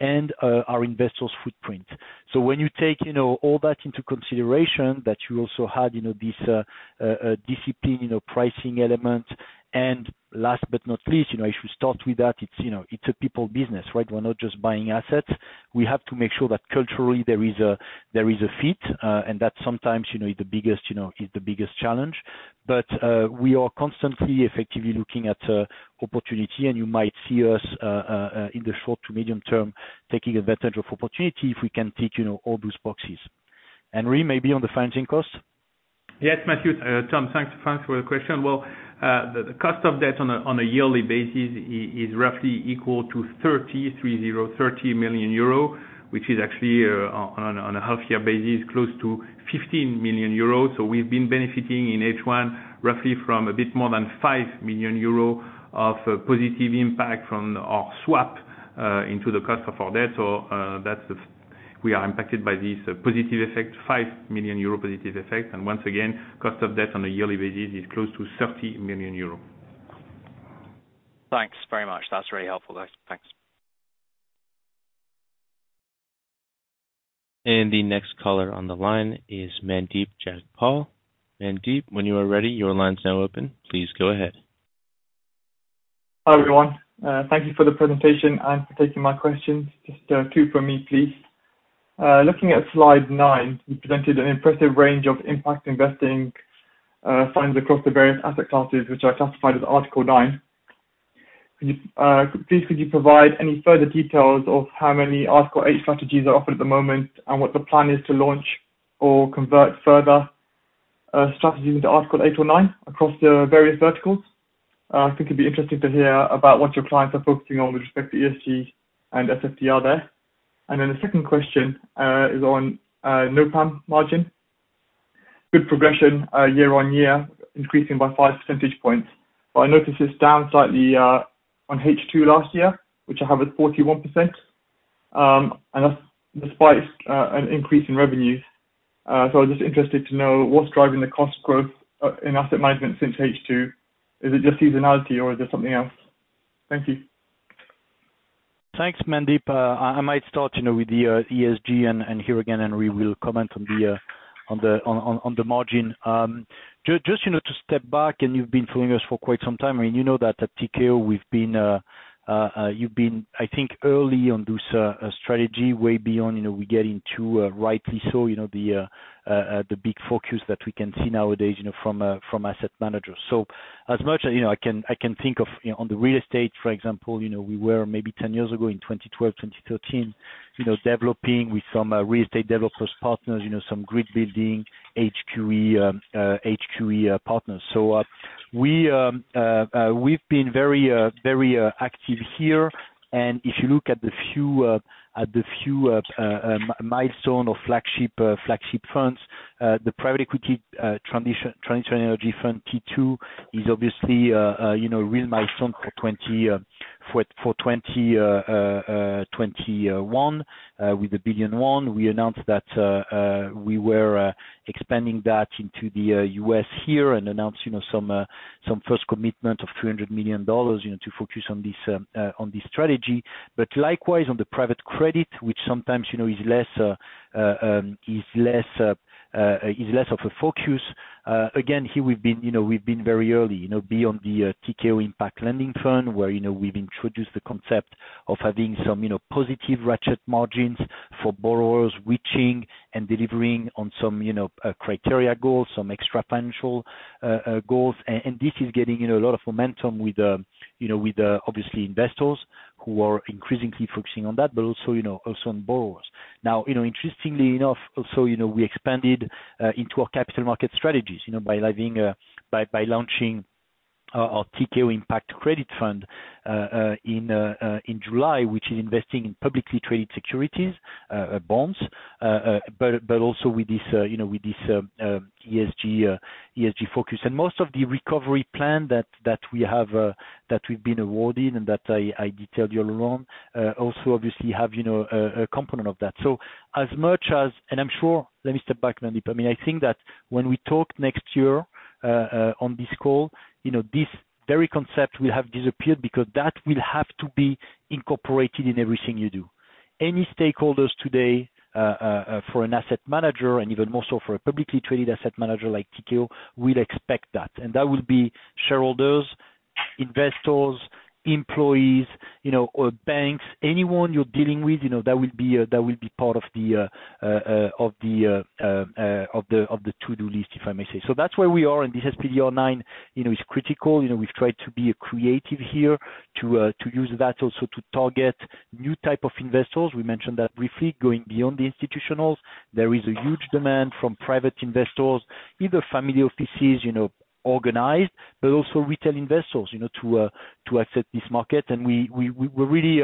and our investors footprint. When you take all that into consideration, that you also had this discipline pricing element. Last but not least, I should start with that, it's a people business, right? We're not just buying assets. We have to make sure that culturally there is a fit, and that sometimes is the biggest challenge. We are constantly effectively looking at opportunity, and you might see us in the short to medium term taking advantage of opportunity if we can tick all those boxes. Henri, maybe on the financing cost? Yes, Mathieu, Tom, thanks for the question. The cost of debt on a yearly basis is roughly equal to 30 million euro, which is actually on a half-year basis, close to 15 million euro. We've been benefiting in H1 roughly from a bit more than 5 million euro of positive impact from our swap into the cost of our debt. We are impacted by this positive effect, 5 million euro positive effect. Once again, cost of debt on a yearly basis is close to 30 million euro. Thanks very much. That's really helpful though. Thanks. The next caller on the line is Mandeep Jagpal from RBC Capital Markets. Mandeep, when you are ready, your line's now open. Please go ahead. Hi, everyone. Thank you for the presentation and for taking my questions. Just two from me, please. Looking at slide nine, you presented an impressive range of impact investing funds across the various asset classes which are classified as Article 9. Please could you provide any further details of how many Article 8 strategies are offered at the moment, and what the plan is to launch or convert further strategies into Article 8 or 9 across the various verticals? I think it would be interesting to hear about what your clients are focusing on with respect to ESG and SFDR there. The second question is on AM margin. Good progression year-on-year, increasing by 5 percentage points. I notice it is down slightly on H2 last year, which I have at 41%, and that is despite an increase in revenues. I was just interested to know what's driving the cost growth in asset management since H2. Is it just seasonality or is there something else? Thank you. Thanks, Mandeep. I might start with the ESG. Here again, Henri will comment on the margin. Just to step back, you've been following us for quite some time, and you know that at Tikehau, you've been, I think, early on this strategy, way beyond we get into, rightly so, the big focus that we can see nowadays from asset managers. As much I can think of on the real estate, for example, we were maybe 10 years ago, in 2012, 2013, developing with some real estate developers partners, some green building HQE partners. We've been very active here. If you look at the few milestone or flagship funds, the private equity transition energy fund T2 is obviously a real milestone for 2021. With the 1 billion, we announced that we were expanding that into the U.S. here and announced some first commitment of $200 million to focus on this strategy. Likewise on the private credit, which sometimes is less of a focus. Again, here we've been very early. Be on the Tikehau Impact Lending, where we've introduced the concept of having some positive ratchet margins for borrowers reaching and delivering on some criteria goals, some extra financial goals. This is getting a lot of momentum with obviously investors, who are increasingly focusing on that, but also on borrowers. Interestingly enough, also we expanded into our Capital Markets Strategies by launching our Tikehau Impact Credit in July, which is investing in publicly traded securities, bonds, but also with this ESG focus. Most of the recovery plan that we've been awarding and that I detailed you along, also obviously have a component of that. As much as I'm sure, let me step back, Mandeep. I think that when we talk next year on this call, this very concept will have disappeared because that will have to be incorporated in everything you do. Any stakeholders today, for an asset manager and even more so for a publicly traded asset manager like Tikehau, will expect that. That will be shareholders, investors, employees, or banks, anyone you're dealing with, that will be part of the to-do list, if I may say. That's where we are, and this SFDR Article 9 is critical. We've tried to be creative here to use that also to target new type of investors. We mentioned that briefly, going beyond the institutionals. There is a huge demand from private investors, either family offices organized, but also retail investors to accept this market. We're really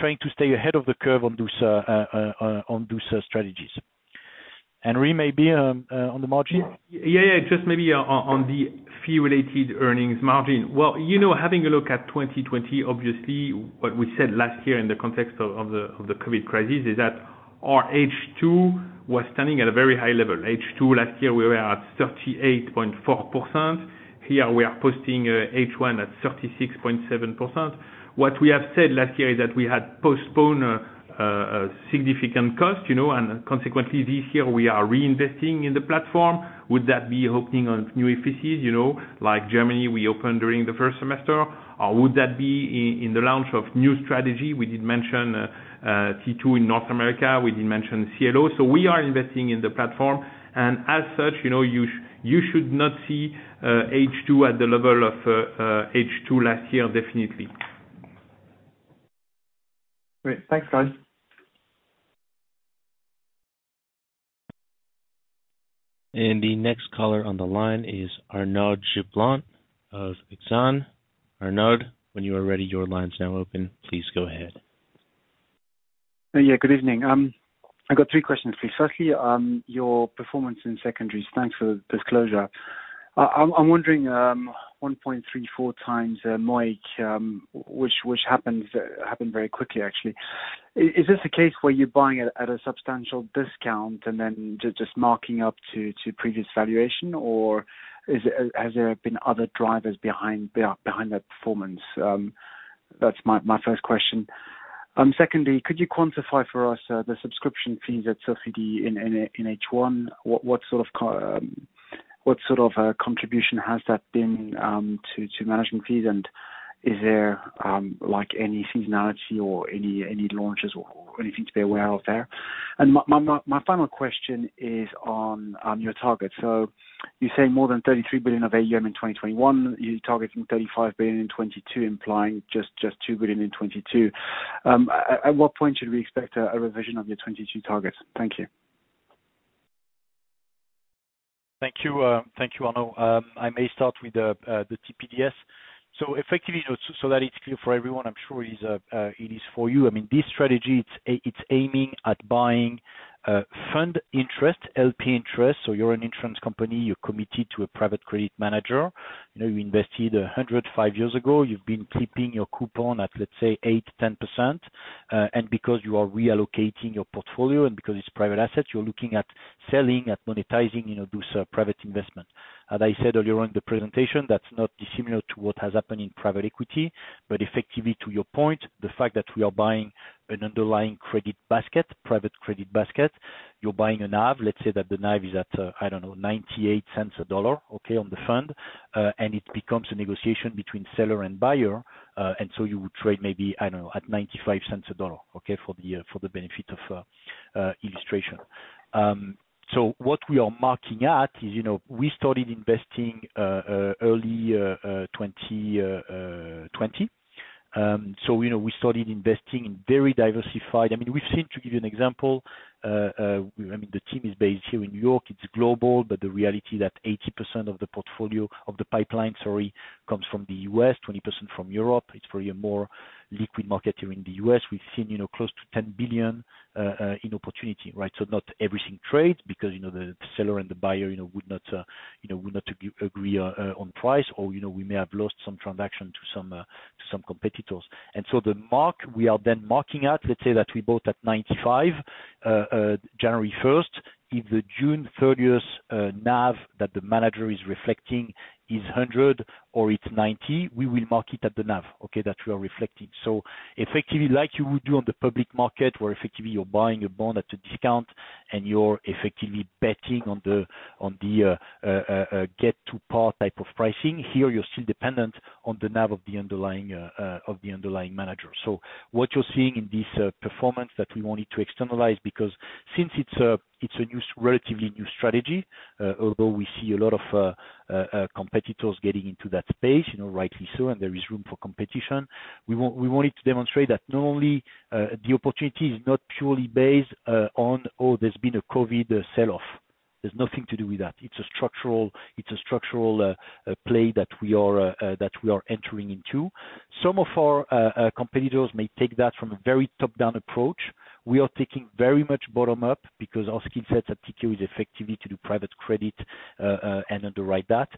trying to stay ahead of the curve on those strategies. Henri, maybe on the margin. Just maybe on the fee-related earnings margin. Well, having a look at 2020, obviously, what we said last year in the context of the COVID-19 crisis is that our H2 was standing at a very high level. H2 last year, we were at 38.4%. Here we are posting H1 at 36.7%. What we have said last year is that we had postpone a significant cost, and consequently this year we are reinvesting in the platform. Would that be opening on new offices, like Germany we opened during the first semester, or would that be in the launch of new strategy? We did mention T2 in North America. We did mention CLO. We are investing in the platform, and as such you should not see H2 at the level of H2 last year, definitely. Great. Thanks, guys. The next caller on the line is Arnaud Giblat of BNP Paribas Exane. Arnaud, when you are ready, your line's now open. Please go ahead. Yeah, good evening. I've got three questions, please. Your performance in secondaries. Thanks for the disclosure. I'm wondering, 1.34x MOIC which happened very quickly, actually. Is this a case where you're buying at a substantial discount and then just marking up to previous valuation, or has there been other drivers behind that performance? That's my first question. Could you quantify for us the subscription fees at Sofidy in H1? What sort of contribution has that been to management fees, and is there any seasonality or any launches or anything to be aware of there? My final question is on your target. You say more than 33 billion of AUM in 2021. You're targeting 35 billion in 2022, implying just 2 billion in 2022. At what point should we expect a revision of your 2022 targets? Thank you. Thank you, Arnaud. I may start with the TPDS. Effectively, so that it's clear for everyone, I'm sure it is for you. This strategy, it's aiming at buying fund interest, LP interest. You're an insurance company, you're committed to a Private Debt manager. You invested 105 years ago. You've been clipping your coupon at, let's say, 8% to 10%. Because you are reallocating your portfolio and because it's private assets, you're looking at selling, at monetizing those private investment. As I said earlier on in the presentation, that's not dissimilar to what has happened in Private Equity. Effectively to your point, the fact that we are buying an underlying credit basket, private credit basket. You're buying a NAV. Let's say that the NAV is at, I don't know, 0.98 a dollar on the fund. It becomes a negotiation between seller and buyer. You would trade maybe, I don't know, at 0.95 for the benefit of illustration. What we are marking at is we started investing early 2020. We started investing in very diversified. We've seen, to give you an example, the team is based here in New York. It's global, but the reality that 80% of the portfolio, of the pipeline, sorry, comes from the U.S., 20% from Europe. It's for a more liquid market here in the U.S. We've seen close to 10 billion in opportunity. Not everything trades because the seller and the buyer would not agree on price, or we may have lost some transaction to some competitors. The mark we are then marking at, let's say that we bought at 0.95 January 1st. If the June 30th's NAV that the manager is reflecting is 100 or it's 90, we will mark it at the NAV that we are reflecting. Effectively, like you would do on the public market, where effectively you're buying a bond at a discount and you're effectively betting on the get to par type of pricing. Here you're still dependent on the NAV of the underlying manager. What you're seeing in this performance that we wanted to externalize because since it's a relatively new strategy, although we see a lot of competitors getting into that space, rightly so, and there is room for competition. We wanted to demonstrate that not only the opportunity is not purely based on, oh, there's been a COVID-19 sell-off. There's nothing to do with that. It's a structural play that we are entering into. Some of our competitors may take that from a very top-down approach. We are taking very much bottom-up because our skill set at Tikehau is effectively to do private credit, and underwrite that.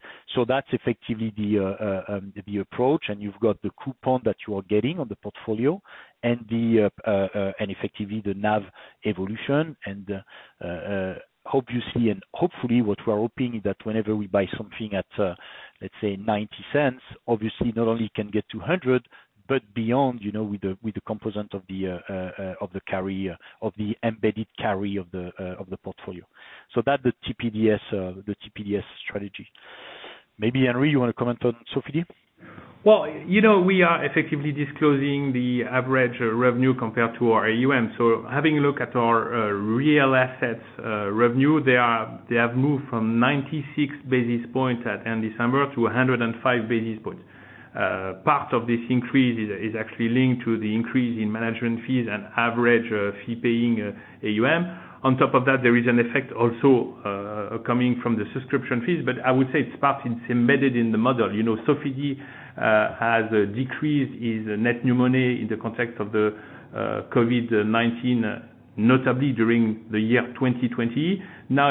That's effectively the approach. You've got the coupon that you are getting on the portfolio and effectively the NAV evolution. Hopefully what we are hoping is that whenever we buy something at, let's say, 0.90, obviously not only can get to 1.00, but beyond, with the component of the carry, of the embedded carry of the portfolio. That's the TPDS strategy. Maybe, Henri, you want to comment on Sofidy? Well, we are effectively disclosing the average revenue compared to our AUM. Having a look at our real assets revenue, they have moved from 96 basis points at end December to 105 basis points. Part of this increase is actually linked to the increase in management fees and average fee paying AUM. On top of that, there is an effect also coming from the subscription fees. I would say it is embedded in the model. Sofidy has decreased its net new money in the context of the COVID-19, notably during the year 2020. Now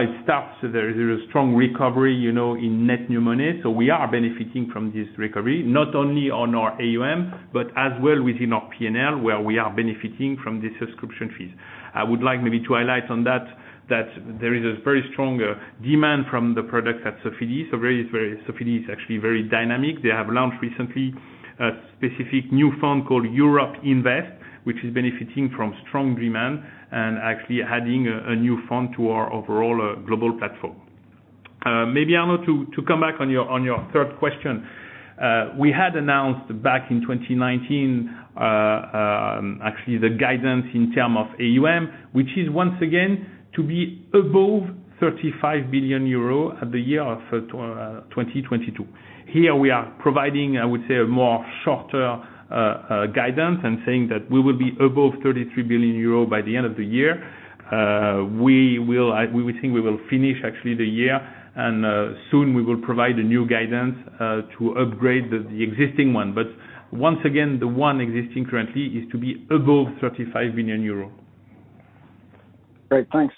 there is a strong recovery in net new money. We are benefiting from this recovery, not only on our AUM, but as well within our P&L, where we are benefiting from the subscription fees. I would like maybe to highlight on that there is a very strong demand from the product at Sofidy. Sofidy is actually very dynamic. They have launched recently a specific new fund called Europe Invest, which is benefiting from strong demand and actually adding a new fund to our overall global platform. Maybe, Arnaud, to come back on your third question. We had announced back in 2019, actually the guidance in terms of AUM, which is once again to be above 35 billion euro at the year of 2022. Here we are providing, I would say, a more shorter guidance and saying that we will be above 33 billion euro by the end of the year. We think we will finish actually the year. Soon we will provide a new guidance to upgrade the existing one. Once again, the one existing currently is to be above 35 billion euro. Great. Thanks.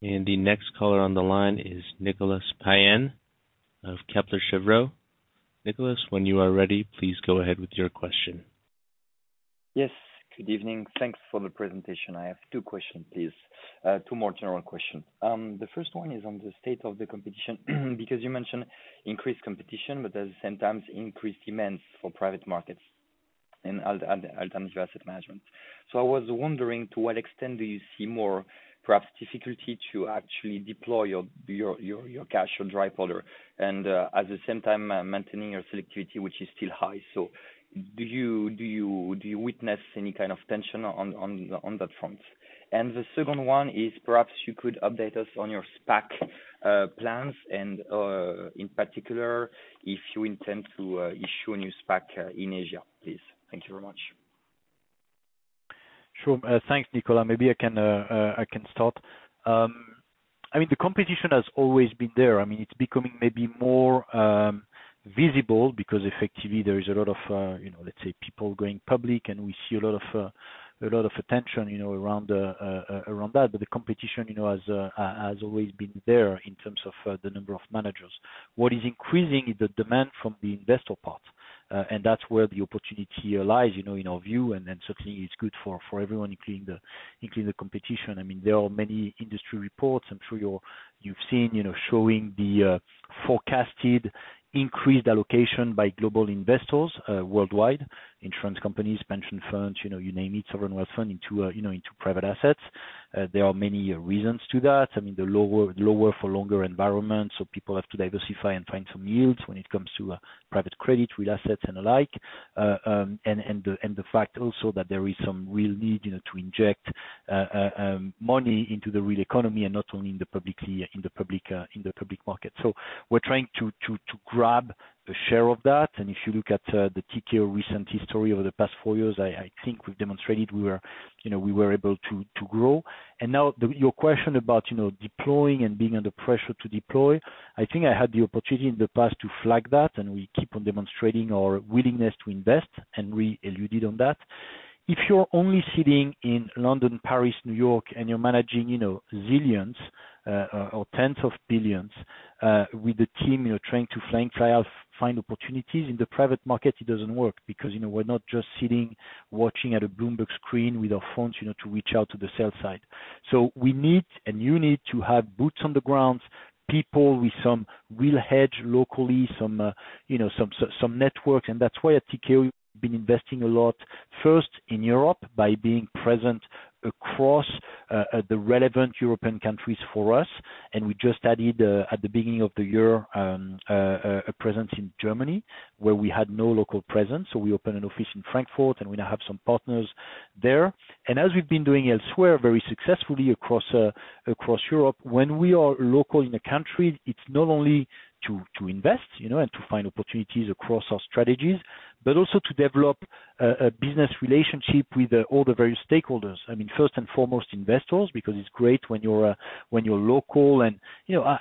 The next caller on the line is Nicolas Payen of Kepler Cheuvreux. Nicolas, when you are ready, please go ahead with your question. Good evening. Thanks for the presentation. I have two questions, please. Two more general questions. The first one is on the state of the competition, because you mentioned increased competition, but at the same time increased demands for private markets and alternative asset management. I was wondering to what extent do you see more perhaps difficulty to actually deploy your cash, your dry powder, and at the same time maintaining your selectivity, which is still high. Do you witness any kind of tension on that front? The second one is perhaps you could update us on your SPAC plans and, in particular, if you intend to issue a new SPAC in Asia, please. Thank you very much. Sure. Thanks, Nicolas. Maybe I can start. The competition has always been there. It's becoming maybe more visible because effectively there is a lot of, let's say, people going public, and we see a lot of attention around that. The competition has always been there in terms of the number of managers. What is increasing is the demand from the investor part. That's where the opportunity lies in our view. Certainly it's good for everyone, including the competition. There are many industry reports, I'm sure you've seen, showing the forecasted increased allocation by global investors worldwide, insurance companies, pension funds, you name it, sovereign wealth fund into private assets. There are many reasons to that. The lower for longer environment, people have to diversify and find some yields when it comes to Private Debt, Real Assets and the like. The fact also that there is some real need to inject money into the real economy and not only in the public market. We're trying to grab a share of that. If you look at the Tikehau recent history over the past four years, I think we've demonstrated we were able to grow. Now your question about deploying and being under pressure to deploy. I think I had the opportunity in the past to flag that, and we keep on demonstrating our willingness to invest, and we alluded on that. If you're only sitting in London, Paris, New York, and you're managing zillions or tens of billions with a team trying to fly out, find opportunities in the private market, it doesn't work. We're not just sitting, watching at a Bloomberg screen with our phones to reach out to the sell side. We need, and you need to have boots on the ground, people with some real edge locally, some networks. That's why at Tikehau, we've been investing a lot first in Europe by being present across the relevant European countries for us. We just added, at the beginning of the year, a presence in Germany where we had no local presence. We opened an office in Frankfurt, and we now have some partners there. As we've been doing elsewhere very successfully across Europe, when we are local in a country, it's not only to invest and to find opportunities across our strategies, but also to develop a business relationship with all the various stakeholders. First and foremost investors, because it's great when you're local and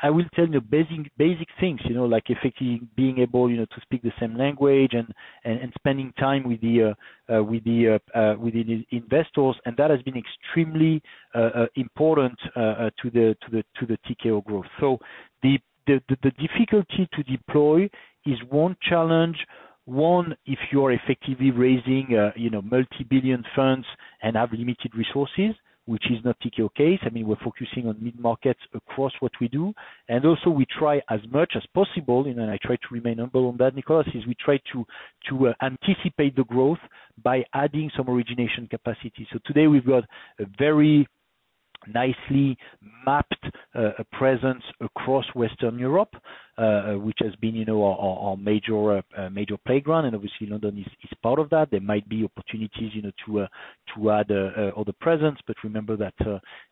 I will tell you basic things, like effectively being able to speak the same language and spending time with the investors. That has been extremely important to the Tikehau growth. The difficulty to deploy is one challenge if you're effectively raising multi-billion funds and have limited resources, which is not Tikehau case. We're focusing on mid-markets across what we do. Also we try as much as possible, and I try to remain humble on that, Nicolas, is we try to anticipate the growth by adding some origination capacity. Today we've got a very nicely mapped presence across Western Europe, which has been our major playground, and obviously London is part of that. There might be opportunities to add other presence. Remember that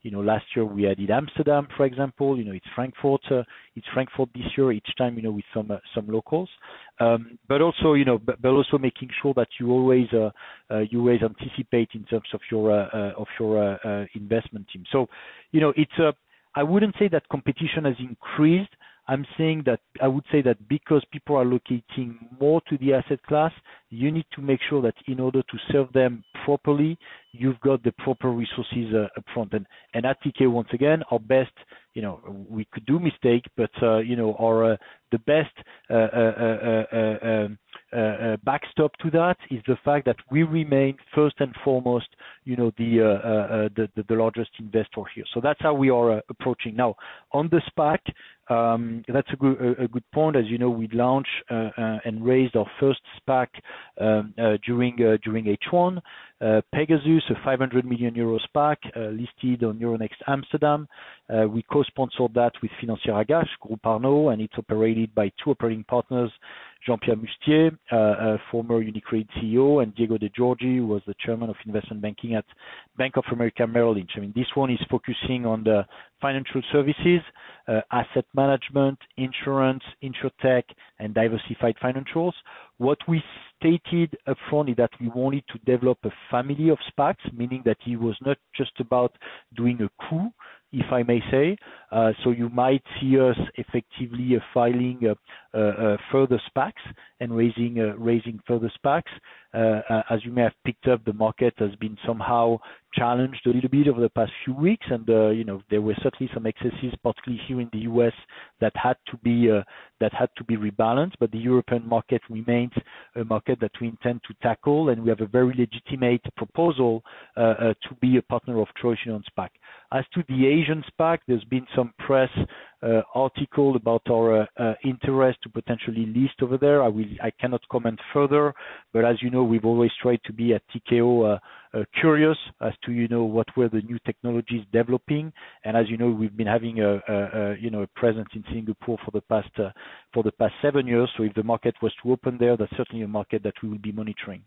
last year we added Amsterdam, for example. It's Frankfurt this year, each time with some locals. Also making sure that you always anticipate in terms of your investment team. I wouldn't say that competition has increased. I would say that because people are locating more to the asset class, you need to make sure that in order to serve them properly, you've got the proper resources up front. At Tikehau once again, our best backstop to that is the fact that we remain first and foremost the largest investor here. That's how we are approaching. Now, on the SPAC, that's a good point. As you know, we launched, and raised our first SPAC during H1. Pegasus, a 500 million euro SPAC listed on Euronext Amsterdam. We co-sponsored that with Financière Agache, Groupe Arnault, and it's operated by two operating partners, Jean-Pierre Mustier, former UniCredit CEO, and Diego De Giorgi, who was the chairman of investment banking at Bank of America, Merrill Lynch. This one is focusing on the financial services, asset management, insurance, insurtech, and diversified financials. What we stated up front is that we wanted to develop a family of SPACs, meaning that it was not just about doing a coup, if I may say. You might see us effectively filing further SPACs and raising further SPACs. As you may have picked up, the market has been somehow challenged a little bit over the past few weeks, and there were certainly some excesses, particularly here in the U.S., that had to be rebalanced. The European market remains a market that we intend to tackle, and we have a very legitimate proposal to be a partner of choice on SPAC. As to the Asian SPAC, there's been some press article about our interest to potentially list over there. I cannot comment further, but as you know, we've always tried to be at Tikehau curious as to what were the new technologies developing, and as you know, we've been having a presence in Singapore for the past seven years. If the market was to open there, that's certainly a market that we will be monitoring.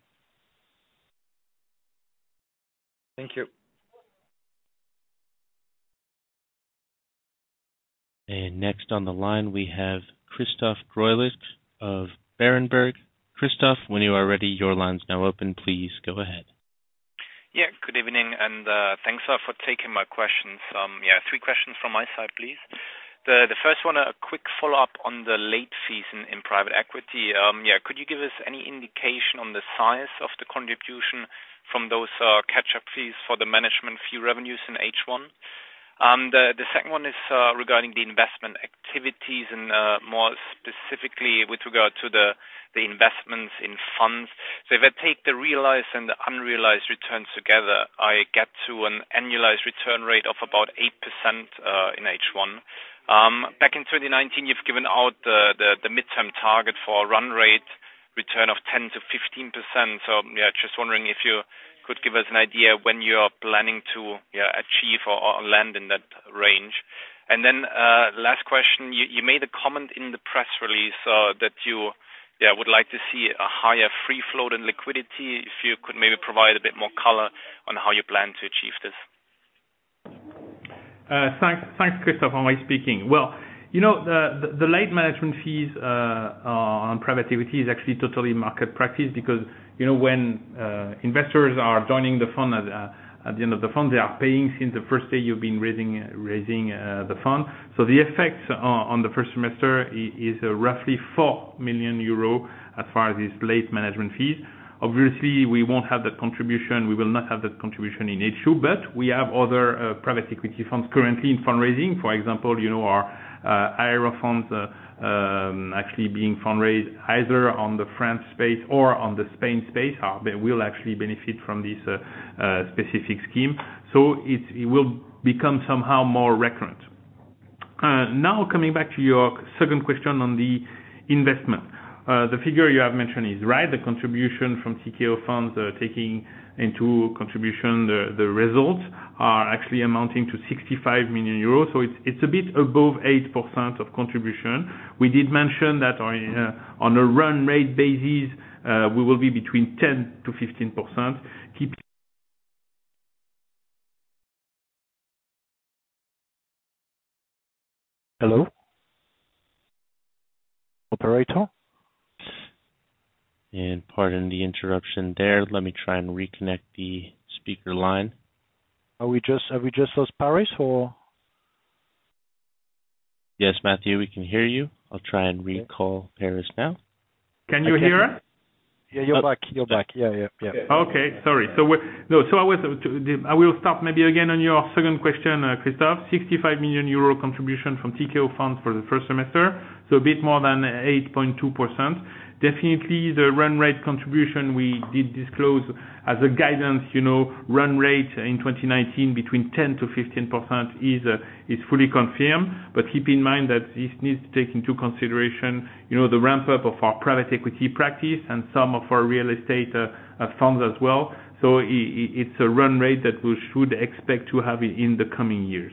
Thank you. Next on the line we have Christoph Greulich of Berenberg. Christoph, when you are ready, your line's now open. Please go ahead. Good evening. Thanks a lot for taking my questions. Three questions from my side, please. The first one, a quick follow-up on the late fees in Private Equity. Could you give us any indication on the size of the contribution from those catch-up fees for the management fee revenues in H1? The second one is regarding the investment activities and more specifically with regard to the investments in funds. If I take the realized and the unrealized returns together, I get to an annualized return rate of about 8% in H1. Back in 2019, you've given out the midterm target for a run rate return of 10%-15%. Just wondering if you could give us an idea when you are planning to achieve or land in that range. Last question. You made a comment in the press release that you would like to see a higher free float in liquidity. If you could maybe provide a bit more color on how you plan to achieve this. Thanks, Christoph. Henri speaking. Well, the late management fees on private equity is actually totally market practice because when investors are joining the fund, at the end of the fund, they are paying since the first day you've been raising the fund. The effect on the first semester is roughly 4 million euros as far as these late management fees. Obviously, we won't have that contribution, we will not have that contribution in H2, but we have other private equity funds currently in fundraising. For example, our Aero funds actually being fundraised either on the France space or on the Spain space. They will actually benefit from this specific scheme. It will become somehow more recurrent. Now, coming back to your second question on the investment. The figure you have mentioned is right. The contribution from Tikehau funds taking into contribution the results are actually amounting to 65 million euros. It's a bit above 8% of contribution. We did mention that on a run rate basis, we will be between 10%-15%. Hello. Operator? Pardon the interruption there. Let me try and reconnect the speaker line. Have we just lost Paris or? Yes, Mathieu, we can hear you. I'll try and recall Paris now. Can you hear? Yeah, you're back. Yeah. Okay. Sorry. I will start maybe again on your second question, Christoph. 65 million euro contribution from Tikehau funds for the first semester, so a bit more than 8.2%. Definitely, the run rate contribution we did disclose as a guidance, run rate in 2019 between 10%-15% is fully confirmed. Keep in mind that this needs to take into consideration the ramp-up of our Private Equity practice and some of our real estate funds as well. It's a run rate that we should expect to have in the coming years.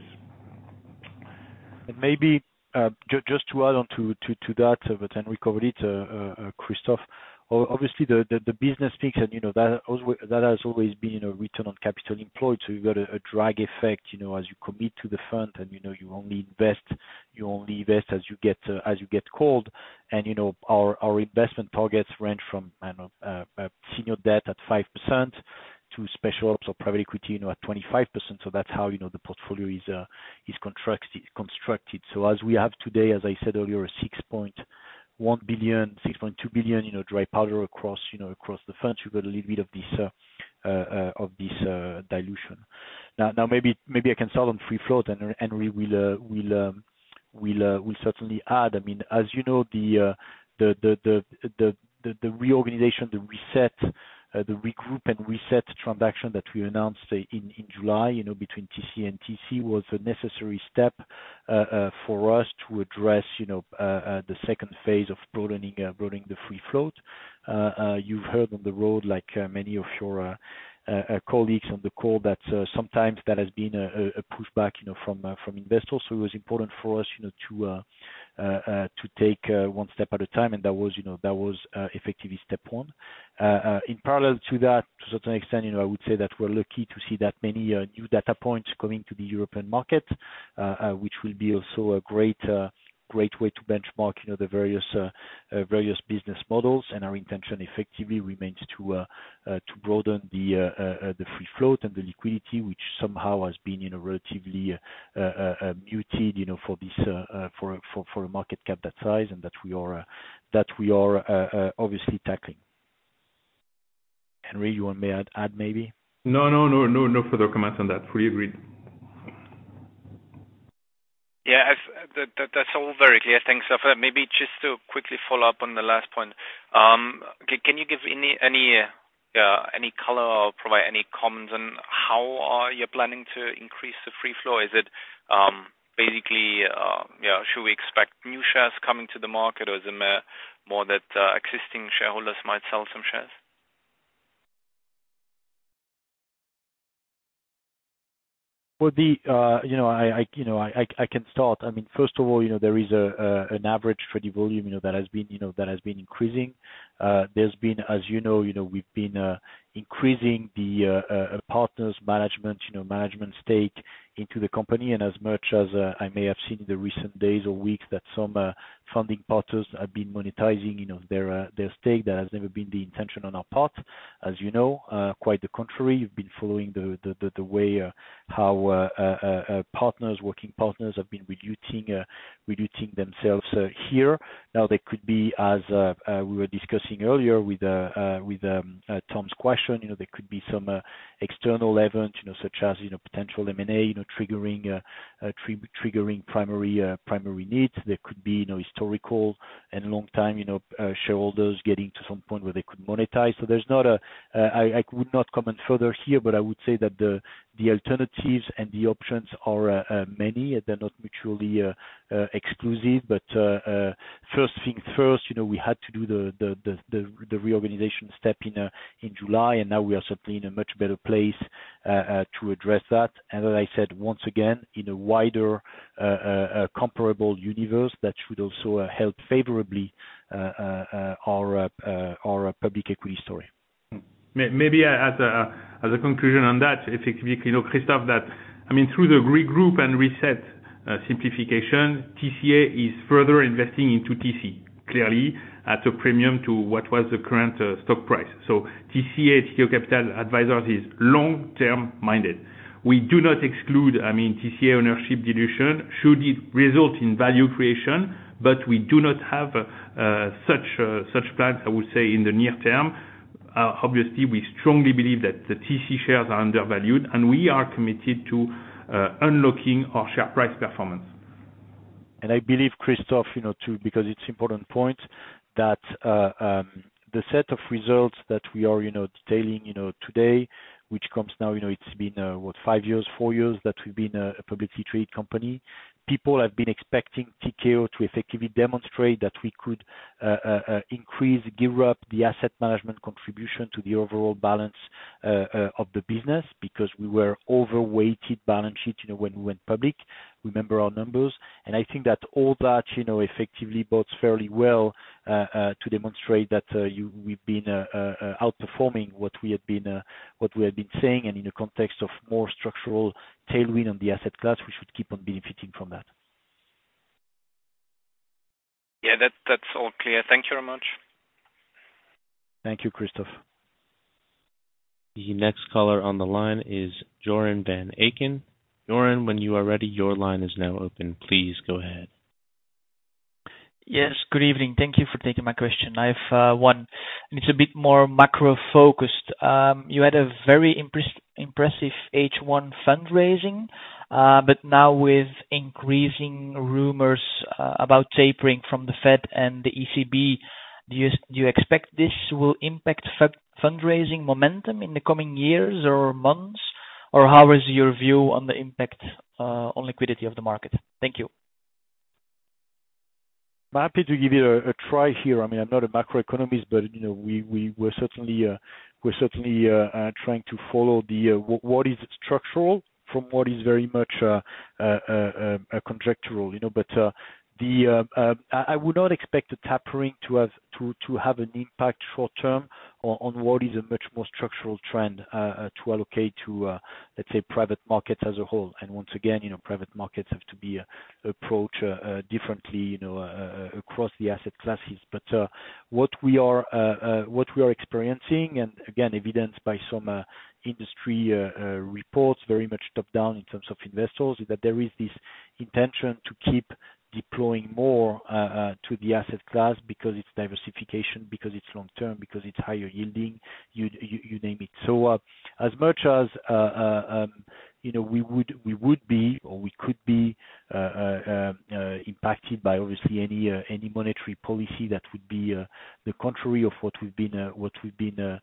Maybe, just to add on to that, we covered it, Christoph Greulich. Obviously, the business fix and that has always been a return on capital employed, you've got a drag effect as you commit to the fund and you only invest as you get called. Our investment targets range from senior debt at 5% to Special Opportunities or private equity at 25%. That's how the portfolio is constructed. As we have today, as I said earlier, a 6.1 billion, 6.2 billion dry powder across the funds. We've got a little bit of this dilution. Maybe I can start on free float and Henri Marcoux will certainly add. As you know the reorganization, the regroup and reset transaction that we announced in July between TC and TCA was a necessary step for us to address the second phase of broadening the free float. You've heard on the road, like many of your colleagues on the call, that sometimes that has been a pushback from investors. It was important for us to take one step at a time, and that was effectively step one. In parallel to that, to a certain extent, I would say that we're lucky to see that many new data points coming to the European market, which will be also a great way to benchmark the various business models. Our intention effectively remains to broaden the free float and the liquidity, which somehow has been relatively muted for a market cap that size and that we are obviously tackling. Henri, you want to add maybe? No further comments on that. Fully agreed. Yeah. That's all very clear. Thanks. Maybe just to quickly follow up on the last point. Can you give any color or provide any comments on how are you planning to increase the free float? Is it basically, should we expect new shares coming to the market, or is it more that existing shareholders might sell some shares? I can start. First of all, there is an average for the volume that has been increasing. There's been, as you know, we've been increasing the partners management stake into the company. As much as I may have seen in the recent days or weeks that some funding partners have been monetizing their stake, that has never been the intention on our part, as you know. Quite the contrary, you've been following the way our working partners have been reducing themselves here. There could be as we were discussing earlier with Tom's question, there could be some external event such as potential M&A triggering primary needs. There could be historical and long-time shareholders getting to some point where they could monetize. I would not comment further here, but I would say that the alternatives and the options are many. They're not mutually exclusive, first things first, we had to do the reorganization step in July, and now we are certainly in a much better place to address that. As I said, once again, in a wider comparable universe, that should also help favorably our public equity story. Maybe as a conclusion on that, it's effectively, Christoph, that through the regroup and reset simplification, TCA is further investing into TC, clearly at a premium to what was the current stock price. TCA, Tikehau Capital Advisors, is long-term minded. We do not exclude TCA ownership dilution, should it result in value creation, but we do not have such plans, I would say, in the near term. Obviously, we strongly believe that the TC shares are undervalued, and we are committed to unlocking our share price performance. I believe, Christoph, because it's important point that the set of results that we are detailing today, which comes now, it's been what, five years, four years that we've been a publicly traded company. People have been expecting Tikehau to effectively demonstrate that we could increase, gear up the asset management contribution to the overall balance of the business because we were overweighted balance sheet when we went public. Remember our numbers. I think that all that effectively bodes fairly well to demonstrate that we've been outperforming what we have been saying, and in a context of more structural tailwind on the asset class, we should keep on benefiting from that. Yeah, that's all clear. Thank you very much. Thank you, Christoph. The next caller on the line is Joren Van Aken from Degroof Petercam. Joren, when you are ready, your line is now open. Please go ahead. Yes, good evening. Thank you for taking my question. I have one. It's a bit more macro-focused. You had a very impressive H1 fundraising. Now with increasing rumors about tapering from the Fed and the ECB, do you expect this will impact fundraising momentum in the coming years or months? How is your view on the impact on liquidity of the market? Thank you. I'm happy to give it a try here. I'm not a macroeconomist, but we're certainly trying to follow what is structural from what is very much conjectural. I would not expect the tapering to have an impact short-term on what is a much more structural trend to allocate to let's say private markets as a whole. Once again, private markets have to be approached differently across the asset classes. What we are experiencing, and again, evidenced by some industry reports, very much top-down in terms of investors, is that there is this intention to keep deploying more to the asset class because it's diversification, because it's long-term, because it's higher yielding, you name it. As much as we would be or we could be impacted by obviously any monetary policy that would be the contrary of what we've been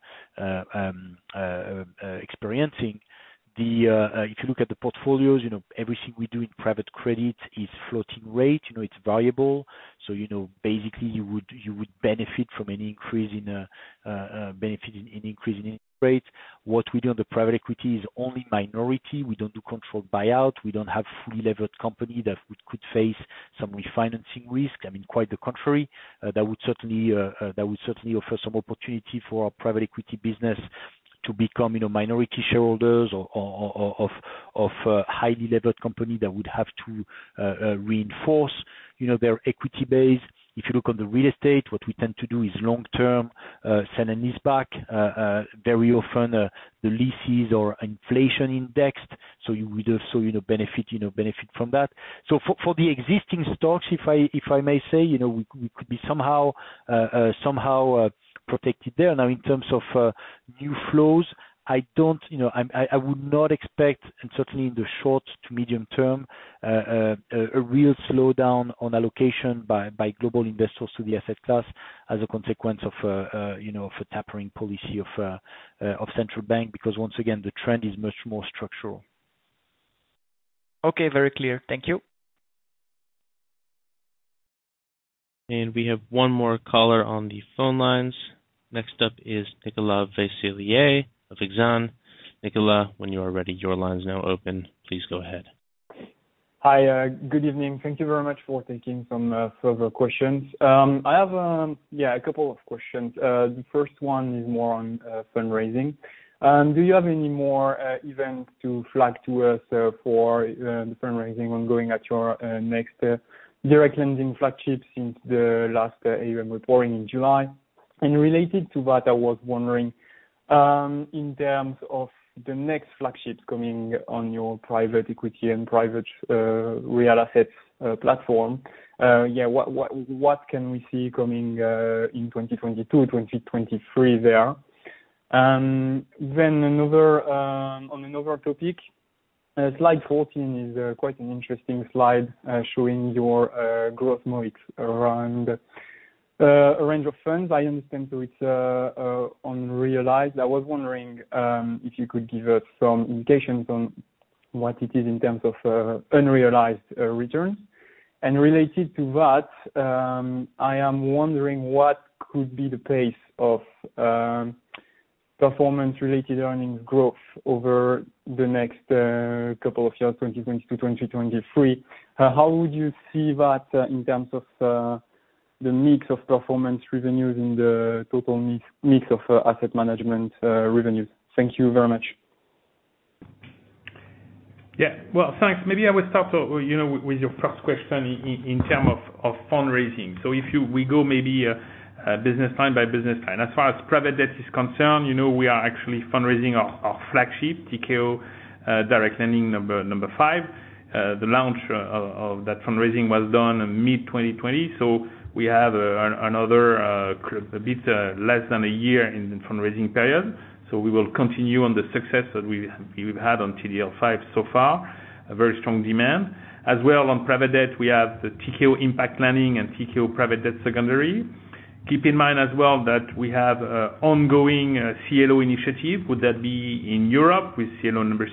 experiencing. If you look at the portfolios, everything we do in private credit is floating rate, it's variable. Basically you would benefit from any increase in rates. What we do on the private equity is only minority. We don't do controlled buyout. We don't have fully levered company that could face some refinancing risk. Quite the contrary. That would certainly offer some opportunity for our private equity business to become minority shareholders of a highly levered company that would have to reinforce their equity base. If you look on the real estate, what we tend to do is long-term sell and lease back. Very often the leases are inflation indexed, so you would also benefit from that. For the existing stocks, if I may say, we could be somehow protected there. In terms of new flows, I would not expect, and certainly in the short to medium term, a real slowdown on allocation by global investors to the asset class as a consequence of a tapering policy of Central Bank because once again, the trend is much more structural. Okay. Very clear. Thank you. We have one more caller on the phone lines. Next up is Nicolas Vaysselier of BNP Paribas Exane. Nicolas, when you are ready, your line's now open. Please go ahead. Hi, good evening. Thank you very much for taking some further questions. I have a couple of questions. The first one is more on fundraising. Do you have any more events to flag to us for the fundraising ongoing at your next direct lending flagship since the last AUM reporting in July? Related to that, I was wondering in terms of the next flagships coming on your private equity and private real assets platform, what can we see coming in 2022, 2023 there? On another topic, slide 14 is quite an interesting slide showing your growth mix around a range of funds. I understand, it's unrealized. I was wondering if you could give us some indications on what it is in terms of unrealized returns. Related to that, I am wondering what could be the pace of performance-related earnings growth over the next two years, 2022, 2023. How would you see that in terms of the mix of performance revenues and the total mix of asset management revenue? Thank you very much. Thanks. I would start with your first question in terms of fundraising. If we go business line by business line. As far as Private Debt is concerned, we are actually fundraising our flagship, Tikehau Direct Lending V. The launch of that fundraising was done in mid-2020. We have another bit less than a year in the fundraising period. We will continue on the success that we've had on TDL V so far. A very strong demand. As well on Private Debt, we have the Tikehau Impact Lending and Tikehau Private Debt Secondaries. Keep in mind as well that we have ongoing CLO initiative, would that be in Europe with CLO 6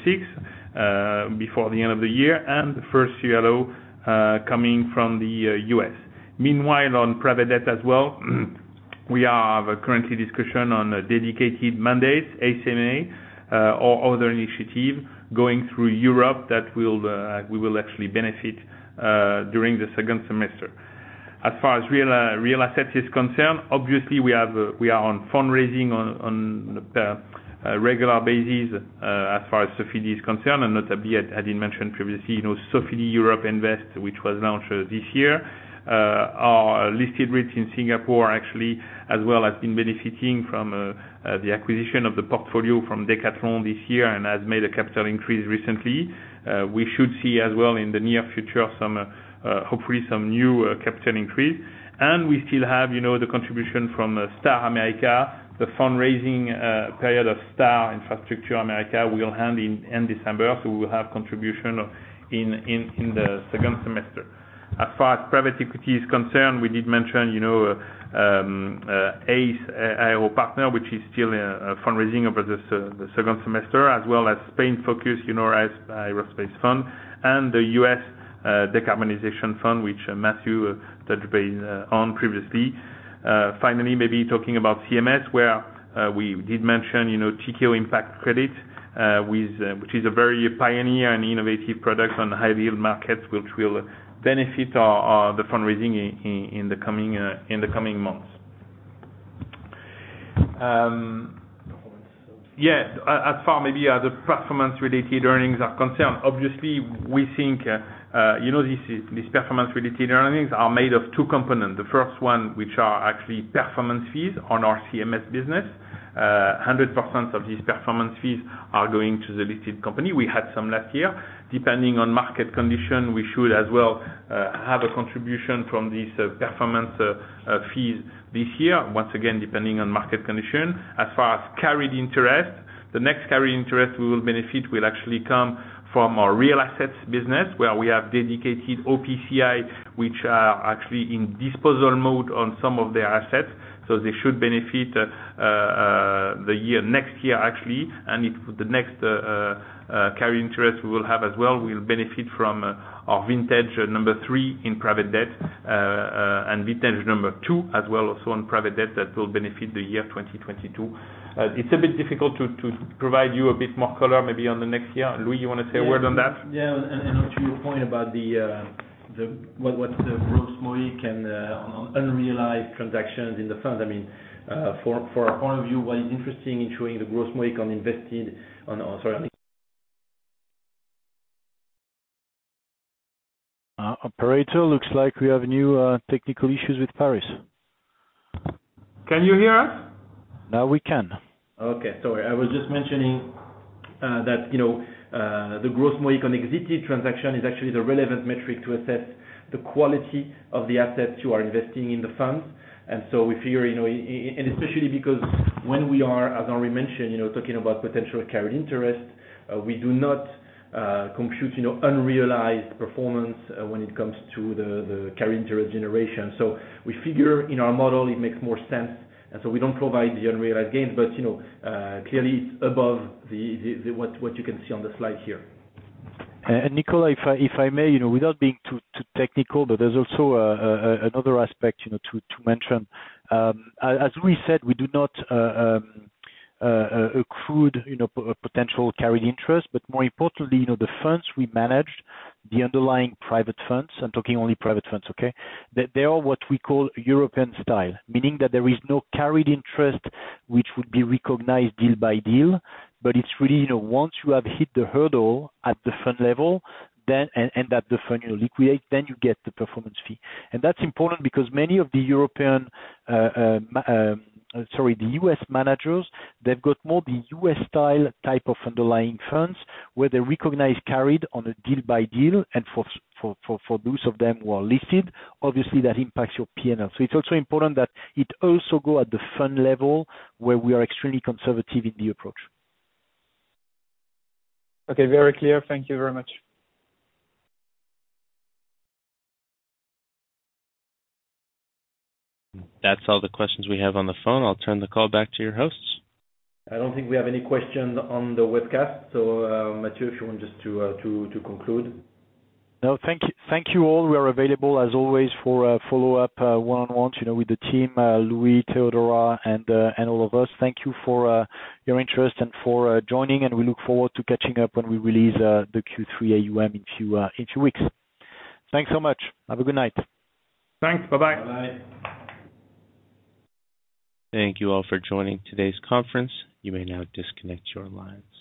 before the end of the year, and the first CLO coming from the U.S. Meanwhile, on private debt as well, we have a currently discussion on dedicated mandates, SMAs or other initiative going through Europe that we will actually benefit during the second semester. As far as real assets is concerned, obviously we are on fundraising on a regular basis as far as Sofidy is concerned. Notably, as I mentioned previously, Sofidy Europe Invest, which was launched this year, our listed REITs in Singapore actually as well has been benefiting from the acquisition of the portfolio from Decathlon this year and has made a capital increase recently. We should see as well in the near future, hopefully some one new capital increase. We still have the contribution from Star America, the fundraising period of Star America Infrastructure Fund will end in December, so we will have contribution in the second semester. As far as private equity is concerned, we did mention Ace Capital Partners, which is still fundraising over the second semester, as well as Spain-focused Ace Aerospace Fund and the U.S. Decarbonization Fund, which Mathieu touched base on previously. Finally, maybe talking about Capital Markets Strategies, where we did mention Tikehau Impact Credit which is a very pioneer and innovative product on high-yield markets, which will benefit the fundraising in the coming months. As far maybe the performance-related earnings are concerned, obviously we think these performance-related earnings are made of two components. The first one, which are actually performance fees on our Capital Markets Strategies business. 100% of these performance fees are going to the listed company. We had some last year. Depending on market condition, we should as well have a contribution from these performance fees this year, once again, depending on market condition. As far as carried interest, the next carried interest we will benefit will actually come from our Real Assets business where we have dedicated OPCI, which are actually in disposal mode on some of their assets. They should benefit the year next year, actually. The next carried interest we will have as well will benefit from our vintage number three in Private Debt, and vintage number two as well also on Private Debt that will benefit the year 2022. It's a bit difficult to provide you a bit more color maybe on the next year. Louis, you want to say a word on that? Yeah. To your point about what the gross MOIC and unrealized transactions in the fund. For our point of view, what is interesting in showing the gross MOIC. Operator, looks like we have new technical issues with Paris. Can you hear us? Now we can. Okay. Sorry. I was just mentioning that the gross MOIC on exited transaction is actually the relevant metric to assess the quality of the assets you are investing in the fund. Especially because when we are, as Henri mentioned, talking about potential carried interest, we do not compute unrealized performance when it comes to the carried interest generation. We figure in our model it makes more sense. We don't provide the unrealized gains, but clearly it's above what you can see on the slide here. Nicolas, if I may, without being too technical, there's also another aspect to mention. As we said, we do not accrue potential carried interest, but more importantly the funds we managed, the underlying private funds, I'm talking only private funds, okay. They are what we call European style, meaning that there is no carried interest which would be recognized deal by deal. It's really once you have hit the hurdle at the fund level and that the fund you liquidate, then you get the performance fee. That's important because many of the European, sorry, the U.S. managers, they've got more the U.S. style type of underlying funds where they recognize carried on a deal by deal. For those of them who are listed, obviously that impacts your P&L. It's also important that it also go at the fund level where we are extremely conservative in the approach. Okay. Very clear. Thank you very much. That's all the questions we have on the phone. I'll turn the call back to your hosts. I don't think we have any questions on the webcast. Mathieu, if you want just to conclude. No. Thank you all. We are available as always for follow-up one-on-ones with the team, Louis, Antoine Flamarion and all of us. Thank you for your interest and for joining, and we look forward to catching up when we release the Q3 AUM in two weeks. Thanks so much. Have a good night. Thanks. Bye-bye. Bye-bye. Thank you all for joining today's conference. You may now disconnect your lines.